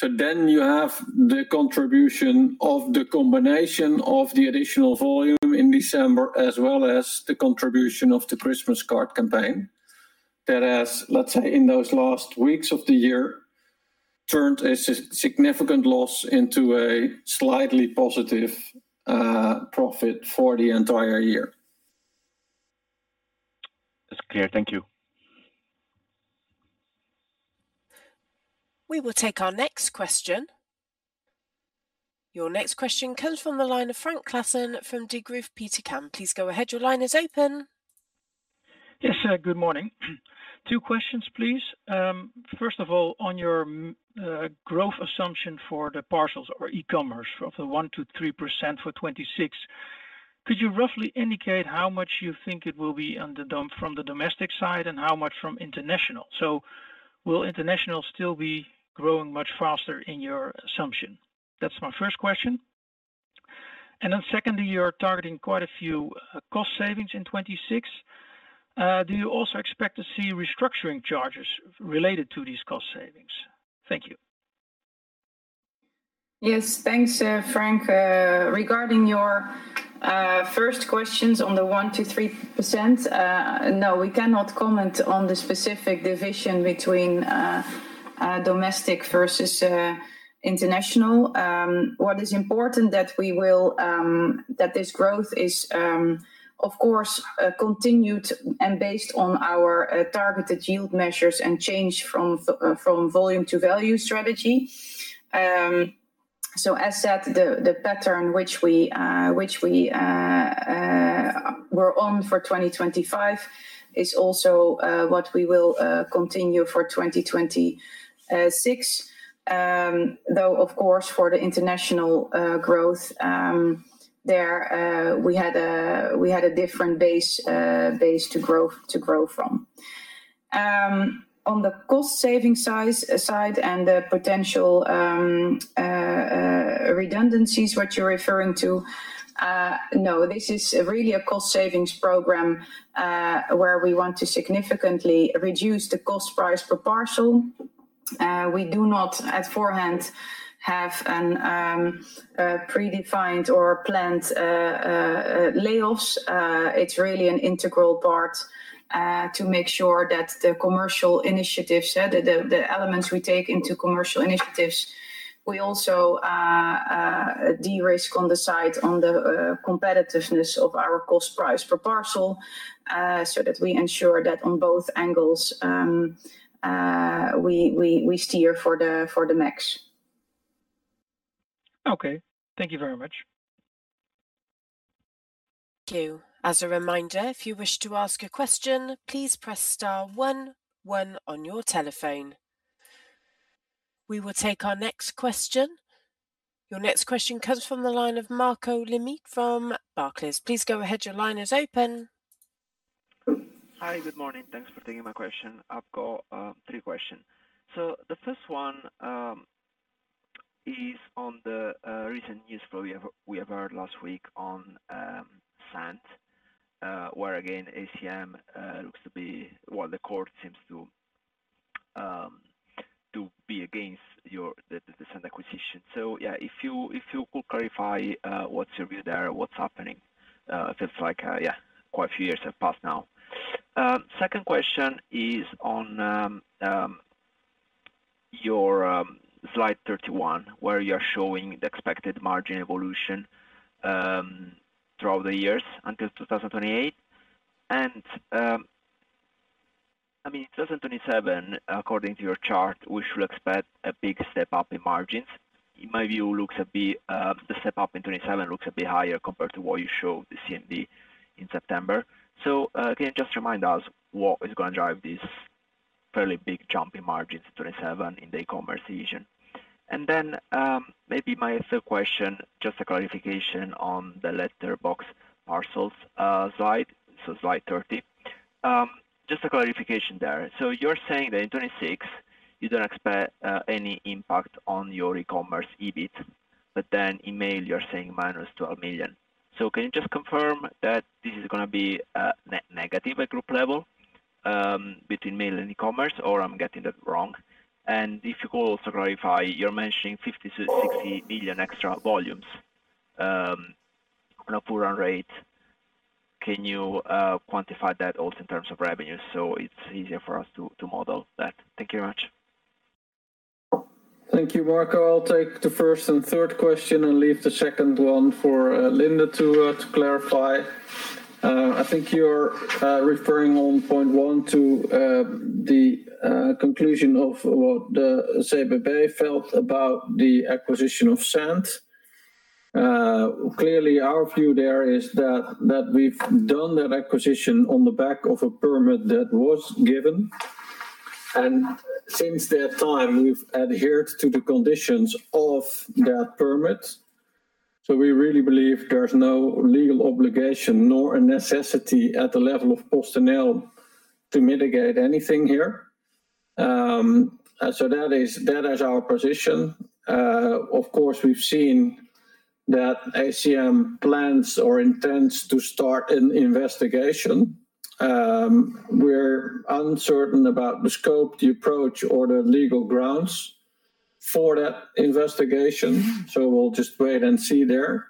Speaker 3: You have the contribution of the combination of the additional volume in December, as well as the contribution of the Christmas card campaign. That has, let's say, in those last weeks of the year, turned a significant loss into a slightly positive profit for the entire year.
Speaker 5: That's clear. Thank you.
Speaker 1: We will take our next question. Your next question comes from the line of Frank Claassen from Degroof Petercam. Please go ahead. Your line is open.
Speaker 6: Yes, good morning. Two questions, please. First of all, on your growth assumption for the parcels or e-commerce, for the 1%-3% for 2026, could you roughly indicate how much you think it will be from the domestic side and how much from international? Will international still be growing much faster in your assumption? That's my first question. Secondly, you're targeting quite a few cost savings in 2026. Do you also expect to see restructuring charges related to these cost savings? Thank you.
Speaker 4: Yes. Thanks, Frank. Regarding your first questions on the 1%-3%, no, we cannot comment on the specific division between a domestic versus international. What is important that we will, that this growth is, of course, continued and based on our targeted yield measures and change from volume to value strategy. As that, the pattern which we, which we, were on for 2025 is also what we will continue for 2026. Though of course, for the international growth, there we had a, we had a different base, base to growth, to grow from. On the cost saving size, side, and the potential, redundancies, what you're referring to, no, this is really a cost savings program, where we want to significantly reduce the cost price per parcel. We do not, at forehand, have an, a predefined or planned, layoffs. It's really an integral part, to make sure that the commercial initiatives, yeah, the, the, the elements we take into commercial initiatives, we also, de-risk on the side, on the, competitiveness of our cost price per parcel, so that we ensure that on both angles, we, we, we steer for the, for the max.
Speaker 6: Okay. Thank you very much.
Speaker 1: Thank you. As a reminder, if you wish to ask a question, please press star one one on your telephone.... We will take our next question. Your next question comes from the line of Marco Limite from Barclays. Please go ahead, your line is open.
Speaker 7: Hi, good morning. Thanks for taking my question. I've got three questions. The first one is on the recent news flow we have, we have heard last week on Sandd, where again, ACM looks to be-- well, the court seems to be against your-- the, the Sandd acquisition. Yeah, if you, if you could clarify, what's your view there? What's happening? It feels like, yeah, quite a few years have passed now. Second question is on your slide 31, where you're showing the expected margin evolution throughout the years until 2028. I mean, 2027, according to your chart, we should expect a big step up in margins. In my view, looks a bit, the step up in 2027 looks a bit higher compared to what you showed the CMD in September. Can you just remind us what is gonna drive this fairly big jump in margins in 2027 in the e-commerce region? Maybe my third question, just a clarification on the letterbox parcels slide, slide 30. Just a clarification there. You're saying that in 2026, you don't expect any impact on your e-commerce EBIT, but then in mail, you're saying -12 million. Can you just confirm that this is gonna be negative at group level between mail and e-commerce, or I'm getting that wrong? If you could also clarify, you're mentioning 50 million-60 million extra volumes on a full run rate. Can you quantify that also in terms of revenue, so it's easier for us to model that? Thank you very much.
Speaker 3: Thank you, Marco. I'll take the first and third question and leave the second one for Linde to clarify. I think you're referring on point one to the conclusion of what the CJIB felt about the acquisition of Sandd. Clearly, our view there is that we've done that acquisition on the back of a permit that was given, and since that time, we've adhered to the conditions of that permit. So we really believe there's no legal obligation nor a necessity at the level of PostNL to mitigate anything here. So that is our position. Of course, we've seen that ACM plans or intends to start an investigation. We're uncertain about the scope, the approach, or the legal grounds for that investigation, so we'll just wait and see there.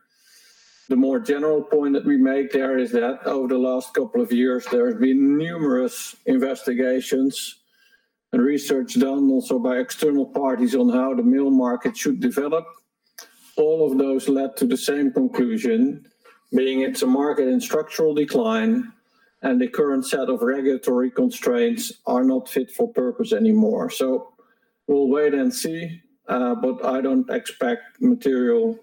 Speaker 3: The more general point that we make there is that over the last couple of years, there have been numerous investigations and research done also by external parties on how the mail market should develop. All of those led to the same conclusion, meaning it's a market in structural decline, and the current set of regulatory constraints are not fit for purpose anymore. We'll wait and see, but I don't expect material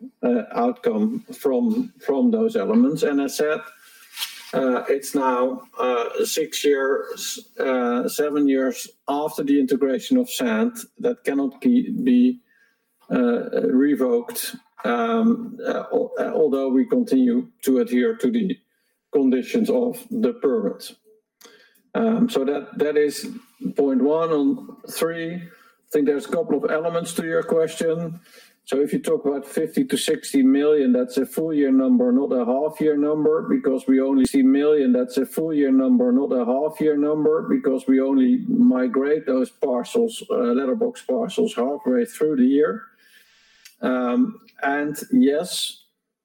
Speaker 3: outcome from those elements. I said, it's now six years, seven years after the integration of Sandd, that cannot be revoked, although we continue to adhere to the conditions of the permit. That is point one. On three, I think there's a couple of elements to your question. If you talk about 50 million-60 million, that's a full year number, not a half year number, because we only migrate those parcels, letterbox parcels halfway through the year. Yes,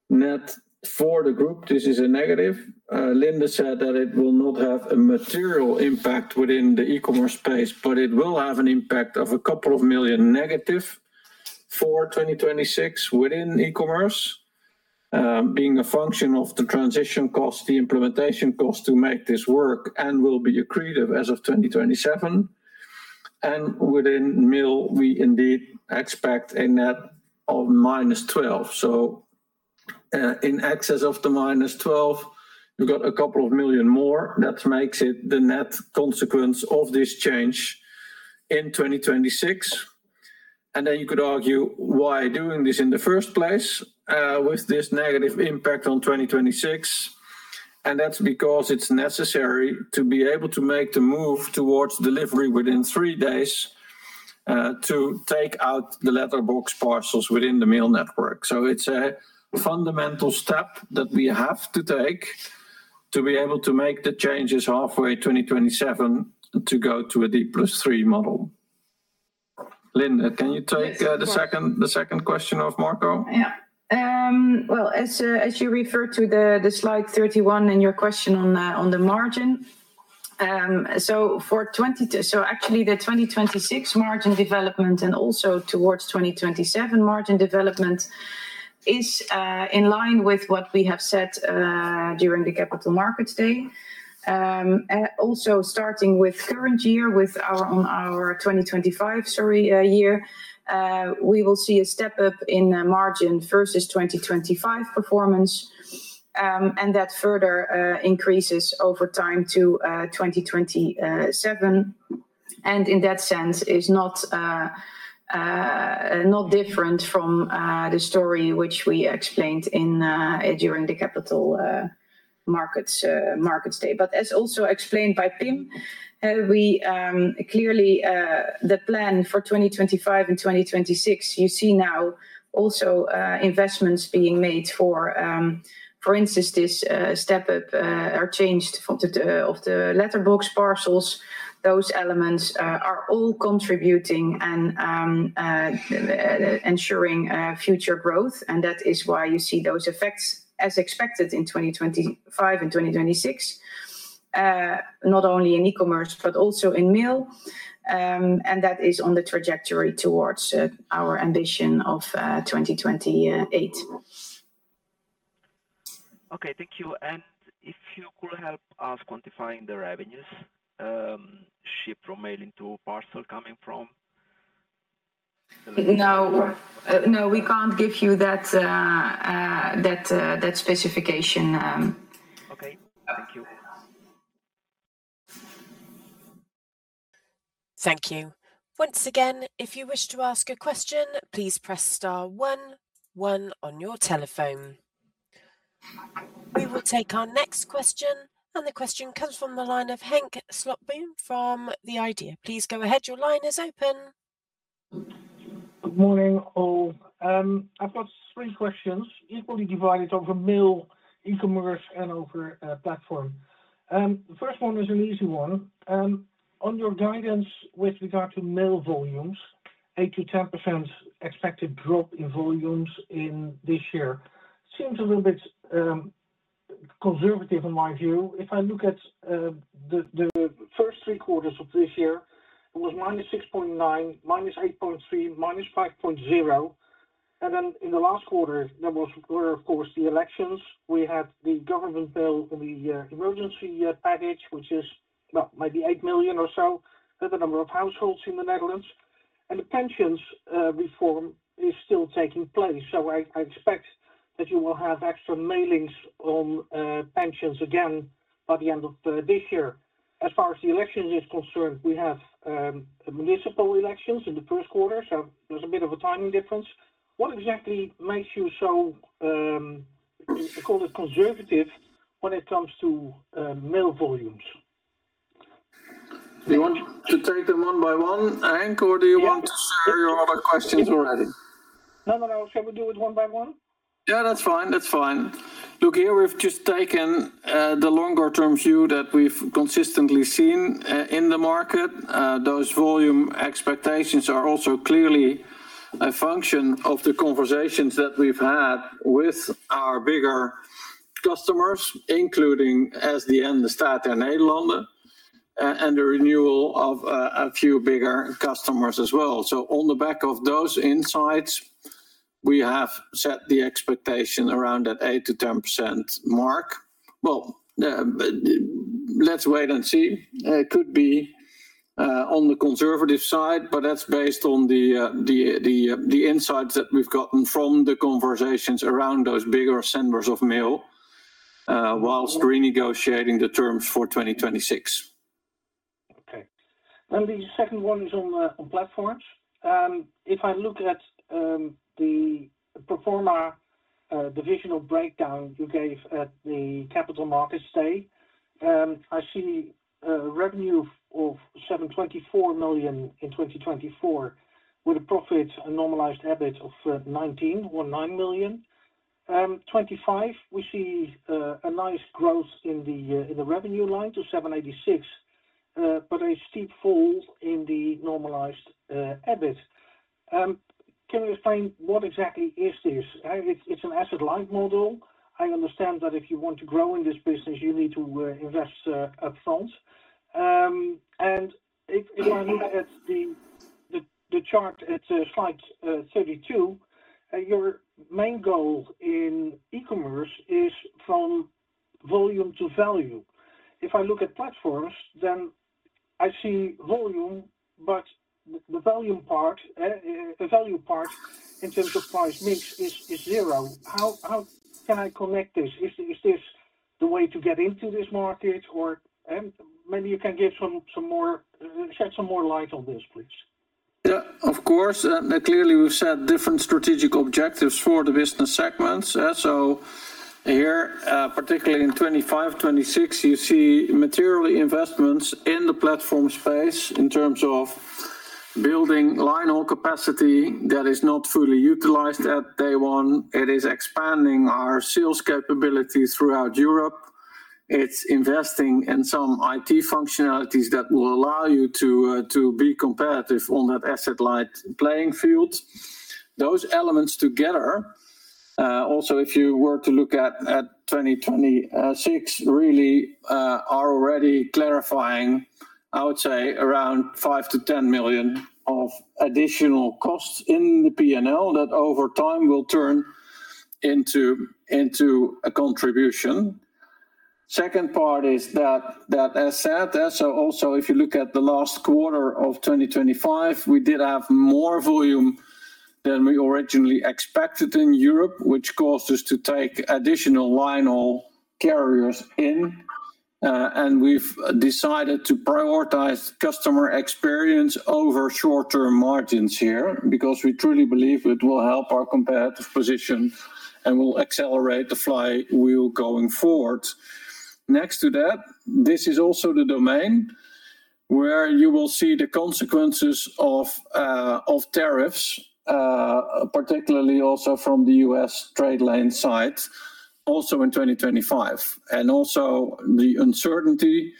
Speaker 3: net for the group, this is a negative. Linde said that it will not have a material impact within the e-commerce space, but it will have an impact of a couple of million negative for 2026 within e-commerce, being a function of the transition cost, the implementation cost to make this work and will be accretive as of 2027. Within mail, we indeed expect a net of -12 million. In excess of the -12 million, you got a couple of million more. That makes it the net consequence of this change in 2026. Then you could argue, why doing this in the first place, with this negative impact on 2026? That's because it's necessary to be able to make the move towards delivery within three days, to take out the letterbox parcels within the mail network. It's a fundamental step that we have to take to be able to make the changes halfway 2027 to go to a D+3 model. Linde, can you take-
Speaker 4: Yes...
Speaker 3: the second, the second question of Marco?
Speaker 4: Yeah. Well, as as you refer to the, the slide 31 in your question on on the margin. Actually, the 2026 margin development and also towards 2027 margin development is in line with what we have said during the Capital Markets Day. Also starting with current year, on our 2025, sorry, year, we will see a step up in margin versus 2025 performance, and that further increases over time to 2027. In that sense, is not not different from the story which we explained in during the Capital Markets Day. As also explained by Pim, we, clearly, the plan for 2025 and 2026, you see now also, investments being made for, for instance, this, step up, or changed from the, the of the letterbox parcels, those elements, are all contributing and, ensuring, future growth, and that is why you see those effects as expected in 2025 and 2026. Not only in e-commerce, but also in mail. That is on the trajectory towards, our ambition of, 2028.
Speaker 7: Okay, thank you. If you could help us quantifying the revenues, shipped from mailing to parcel coming from?
Speaker 4: No. No, we can't give you that, that, that specification.
Speaker 7: Okay, thank you.
Speaker 1: Thank you. Once again, if you wish to ask a question, please press star one one on your telephone. We will take our next question. The question comes from the line of Henk Slotboom from The IDEA!. Please go ahead. Your line is open.
Speaker 8: Good morning, all. I've got three questions equally divided over mail, e-commerce, and over platform. The first one is an easy one. On your guidance with regard to mail volumes, 8%-10% expected drop in volumes in this year, seems a little bit conservative in my view. If I look at the first three quarters of this year, it was -6.9%, -8.3%, -5.0%, and then in the last quarter, there were, of course, the elections. We had the government bill, the emergency package, which is, well, maybe 8 million or so, the number of households in the Netherlands, and the pensions reform is still taking place. I, I expect that you will have extra mailings on pensions again by the end of this year. As far as the election is concerned, we have, municipal elections in the first quarter, so there's a bit of a timing difference. What exactly makes you so, I call it conservative, when it comes to, mail volumes?
Speaker 3: Do you want to take them one by one, Henk, or do you want to share-
Speaker 8: Yeah...
Speaker 3: your other questions already?
Speaker 8: No, no, no. Shall we do it one by one?
Speaker 3: Yeah, that's fine. That's fine. Look, here we've just taken, the longer-term view that we've consistently seen in the market. Those volume expectations are also clearly a function of the conversations that we've had with our bigger customers, including as the end, the Staat der Nederlanden, and the renewal of a few bigger customers as well. On the back of those insights, we have set the expectation around that 8%-10% mark. Well, let's wait and see. It could be on the conservative side, but that's based on the insights that we've gotten from the conversations around those bigger senders of mail, whilst renegotiating the terms for 2026.
Speaker 8: Okay. The second one is on platforms. If I look at the pro forma divisional breakdown you gave at the Capital Markets Day, I see a revenue of 724 million in 2024, with a profit, a normalized EBIT of 19 or 9 million. 2025, we see a nice growth in the revenue line to 786 million, but a steep fall in the normalized EBIT. Can you explain what exactly is this? It's an asset life model. I understand that if you want to grow in this business, you need to invest upfront. If I look at the chart, it's slide 32, your main goal in e-commerce is from volume to value. If I look at platforms, then I see volume, but the, the volume part, the value part in terms of price mix is, is 0. How, how can I connect this? Is, is this the way to get into this market, or? Maybe you can give some, some more, shed some more light on this, please.
Speaker 3: Yeah, of course. Clearly, we've set different strategic objectives for the business segments. Here, particularly in 2025, 2026, you see materially investments in the platform space in terms of building line or capacity that is not fully utilized at day one. It is expanding our sales capability throughout Europe. It's investing in some IT functionalities that will allow you to be competitive on that asset light playing field. Those elements together, also, if you were to look at, at 2026, really, are already clarifying, I would say, around 5 million-10 million of additional costs in the P&L, that over time will turn into, into a contribution. Second part is that as said, also if you look at the last quarter of 2025, we did have more volume than we originally expected in Europe, which caused us to take additional line haul carriers in. We've decided to prioritize customer experience over short-term margins here, because we truly believe it will help our competitive position and will accelerate the flywheel going forward. Next to that, this is also the domain where you will see the consequences of tariffs, particularly also from the U.S. trade lane side, also in 2025. Also the uncertainty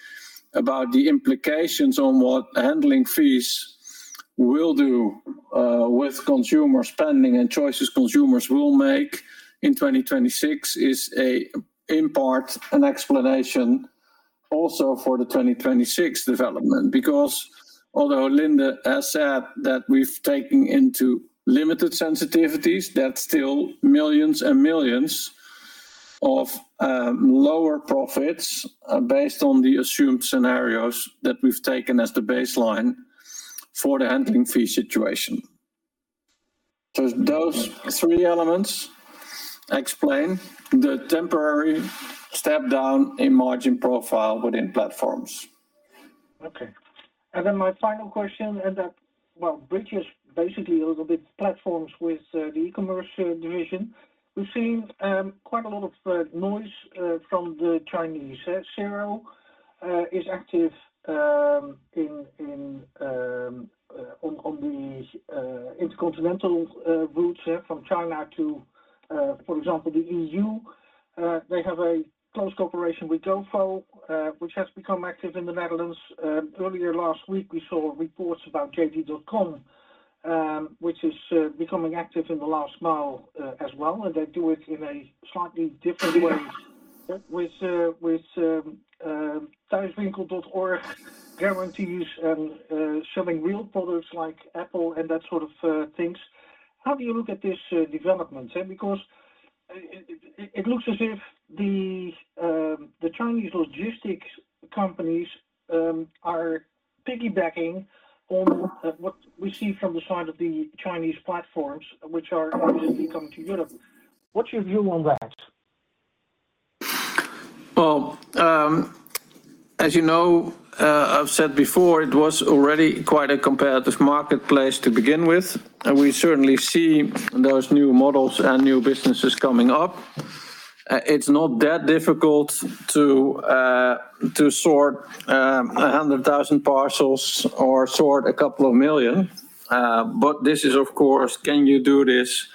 Speaker 3: about the implications on what handling fees will do with consumer spending and choices consumers will make in 2026 is a, in part, an explanation also for the 2026 development. Although Linde has said that we've taken into limited sensitivities, that's still millions and millions of lower profits based on the assumed scenarios that we've taken as the baseline for the handling fee situation. Those three elements explain the temporary step down in margin profile within platforms.
Speaker 8: Okay. Then my final question, and that, well, bridges basically a little bit platforms with the e-commerce division. We've seen quite a lot of noise from the Chinese. Shein is active in, in on, on the intercontinental routes, yeah, from China to, for example, the EU. They have a close cooperation with DOFO which has become active in the Netherlands. Earlier last week, we saw reports about JD.com, which is becoming active in the last mile as well, and they do it in a slightly different way-
Speaker 3: Yeah...
Speaker 8: with, with Thuiswinkel.org guarantees and selling real products like Apple and that sort of things. How do you look at this development? Because it looks as if the Chinese logistics companies are piggybacking on what we see from the side of the Chinese platforms, which are obviously coming to Europe. What's your view on that?
Speaker 3: Well, as you know, I've said before, it was already quite a competitive marketplace to begin with, and we certainly see those new models and new businesses coming up. It's not that difficult to sort 100,000 parcels or sort a couple of million. But this is, of course, can you do this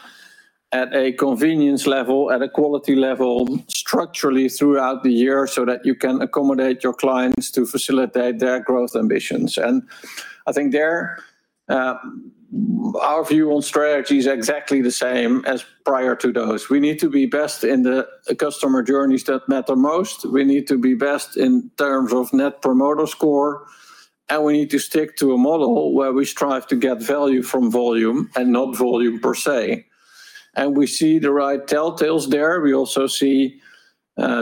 Speaker 3: at a convenience level, at a quality level, structurally throughout the year, so that you can accommodate your clients to facilitate their growth ambitions? I think there, our view on strategy is exactly the same as prior to those. We need to be best in the customer journeys that matter most. We need to be best in terms of Net Promoter Score, and we need to stick to a model where we strive to get value from volume, and not volume per se. We see the right telltales there. We also see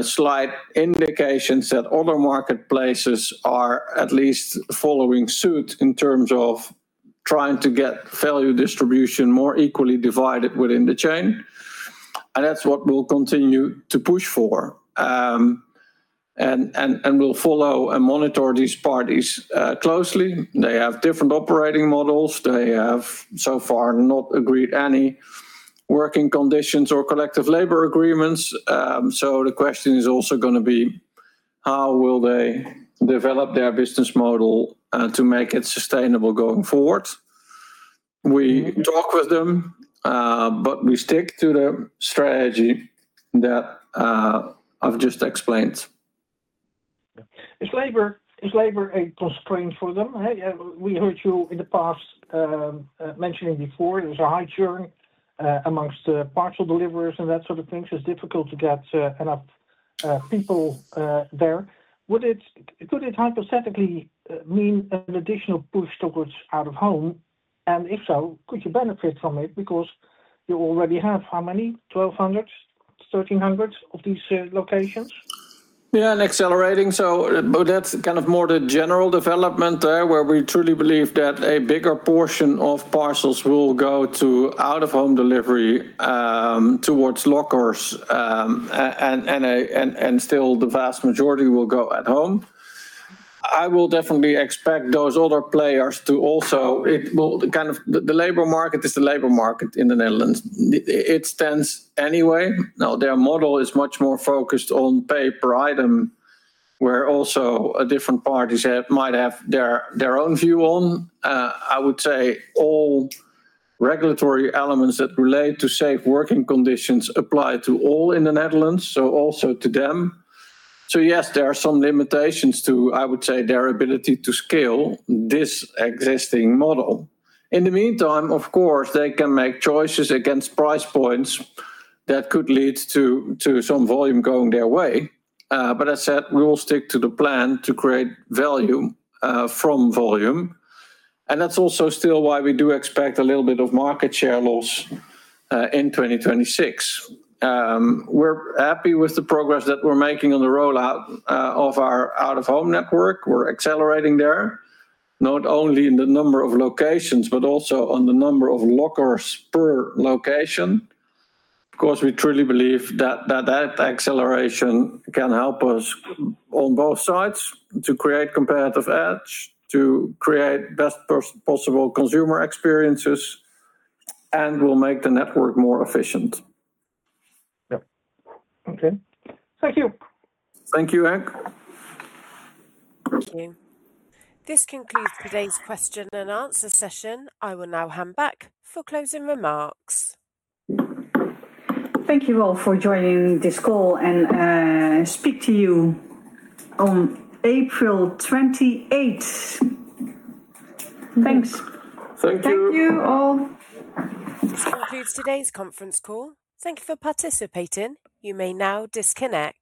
Speaker 3: slight indications that other marketplaces are at least following suit in terms of trying to get value distribution more equally divided within the chain, and that's what we'll continue to push for. We'll follow and monitor these parties closely. They have different operating models. They have so far not agreed any working conditions or collective labor agreements. The question is also gonna be, how will they develop their business model to make it sustainable going forward? We talk with them, but we stick to the strategy that I've just explained.
Speaker 8: Is labor, is labor a constraint for them? Hey, we heard you in the past mentioning before, there's a high churn amongst the parcel deliverers and that sort of things. It's difficult to get enough people there. Could it hypothetically mean an additional push towards out-of-home? If so, could you benefit from it? Because you already have, how many? 1,200, 1,300 of these locations.
Speaker 3: And accelerating. But that's kind of more the general development there, where we truly believe that a bigger portion of parcels will go to out-of-home delivery, towards lockers, and, and still the vast majority will go at home. I will definitely expect those other players to also... kind of the, the labor market is the labor market in the Netherlands. It's tense anyway. Now, their model is much more focused on pay per item, where also different parties have, might have their, their own view on. I would say all regulatory elements that relate to safe working conditions apply to all in the Netherlands, so also to them. Yes, there are some limitations to, I would say, their ability to scale this existing model. In the meantime, of course, they can make choices against price points that could lead to some volume going their way. As I said, we will stick to the plan to create value from volume, and that's also still why we do expect a little bit of market share loss in 2026. We're happy with the progress that we're making on the rollout of our out-of-home network. We're accelerating there, not only in the number of locations, but also on the number of lockers per location. Of course, we truly believe that acceleration can help us on both sides to create competitive edge, to create best possible consumer experiences, and will make the network more efficient.
Speaker 8: Yep. Okay. Thank you.
Speaker 3: Thank you, Hank.
Speaker 1: Thank you. This concludes today's question and answer session. I will now hand back for closing remarks. Thank you all for joining this call, and speak to you on 28 April. Thanks.
Speaker 3: Thank you. Thank you, all.
Speaker 1: This concludes today's conference call. Thank you for participating. You may now disconnect.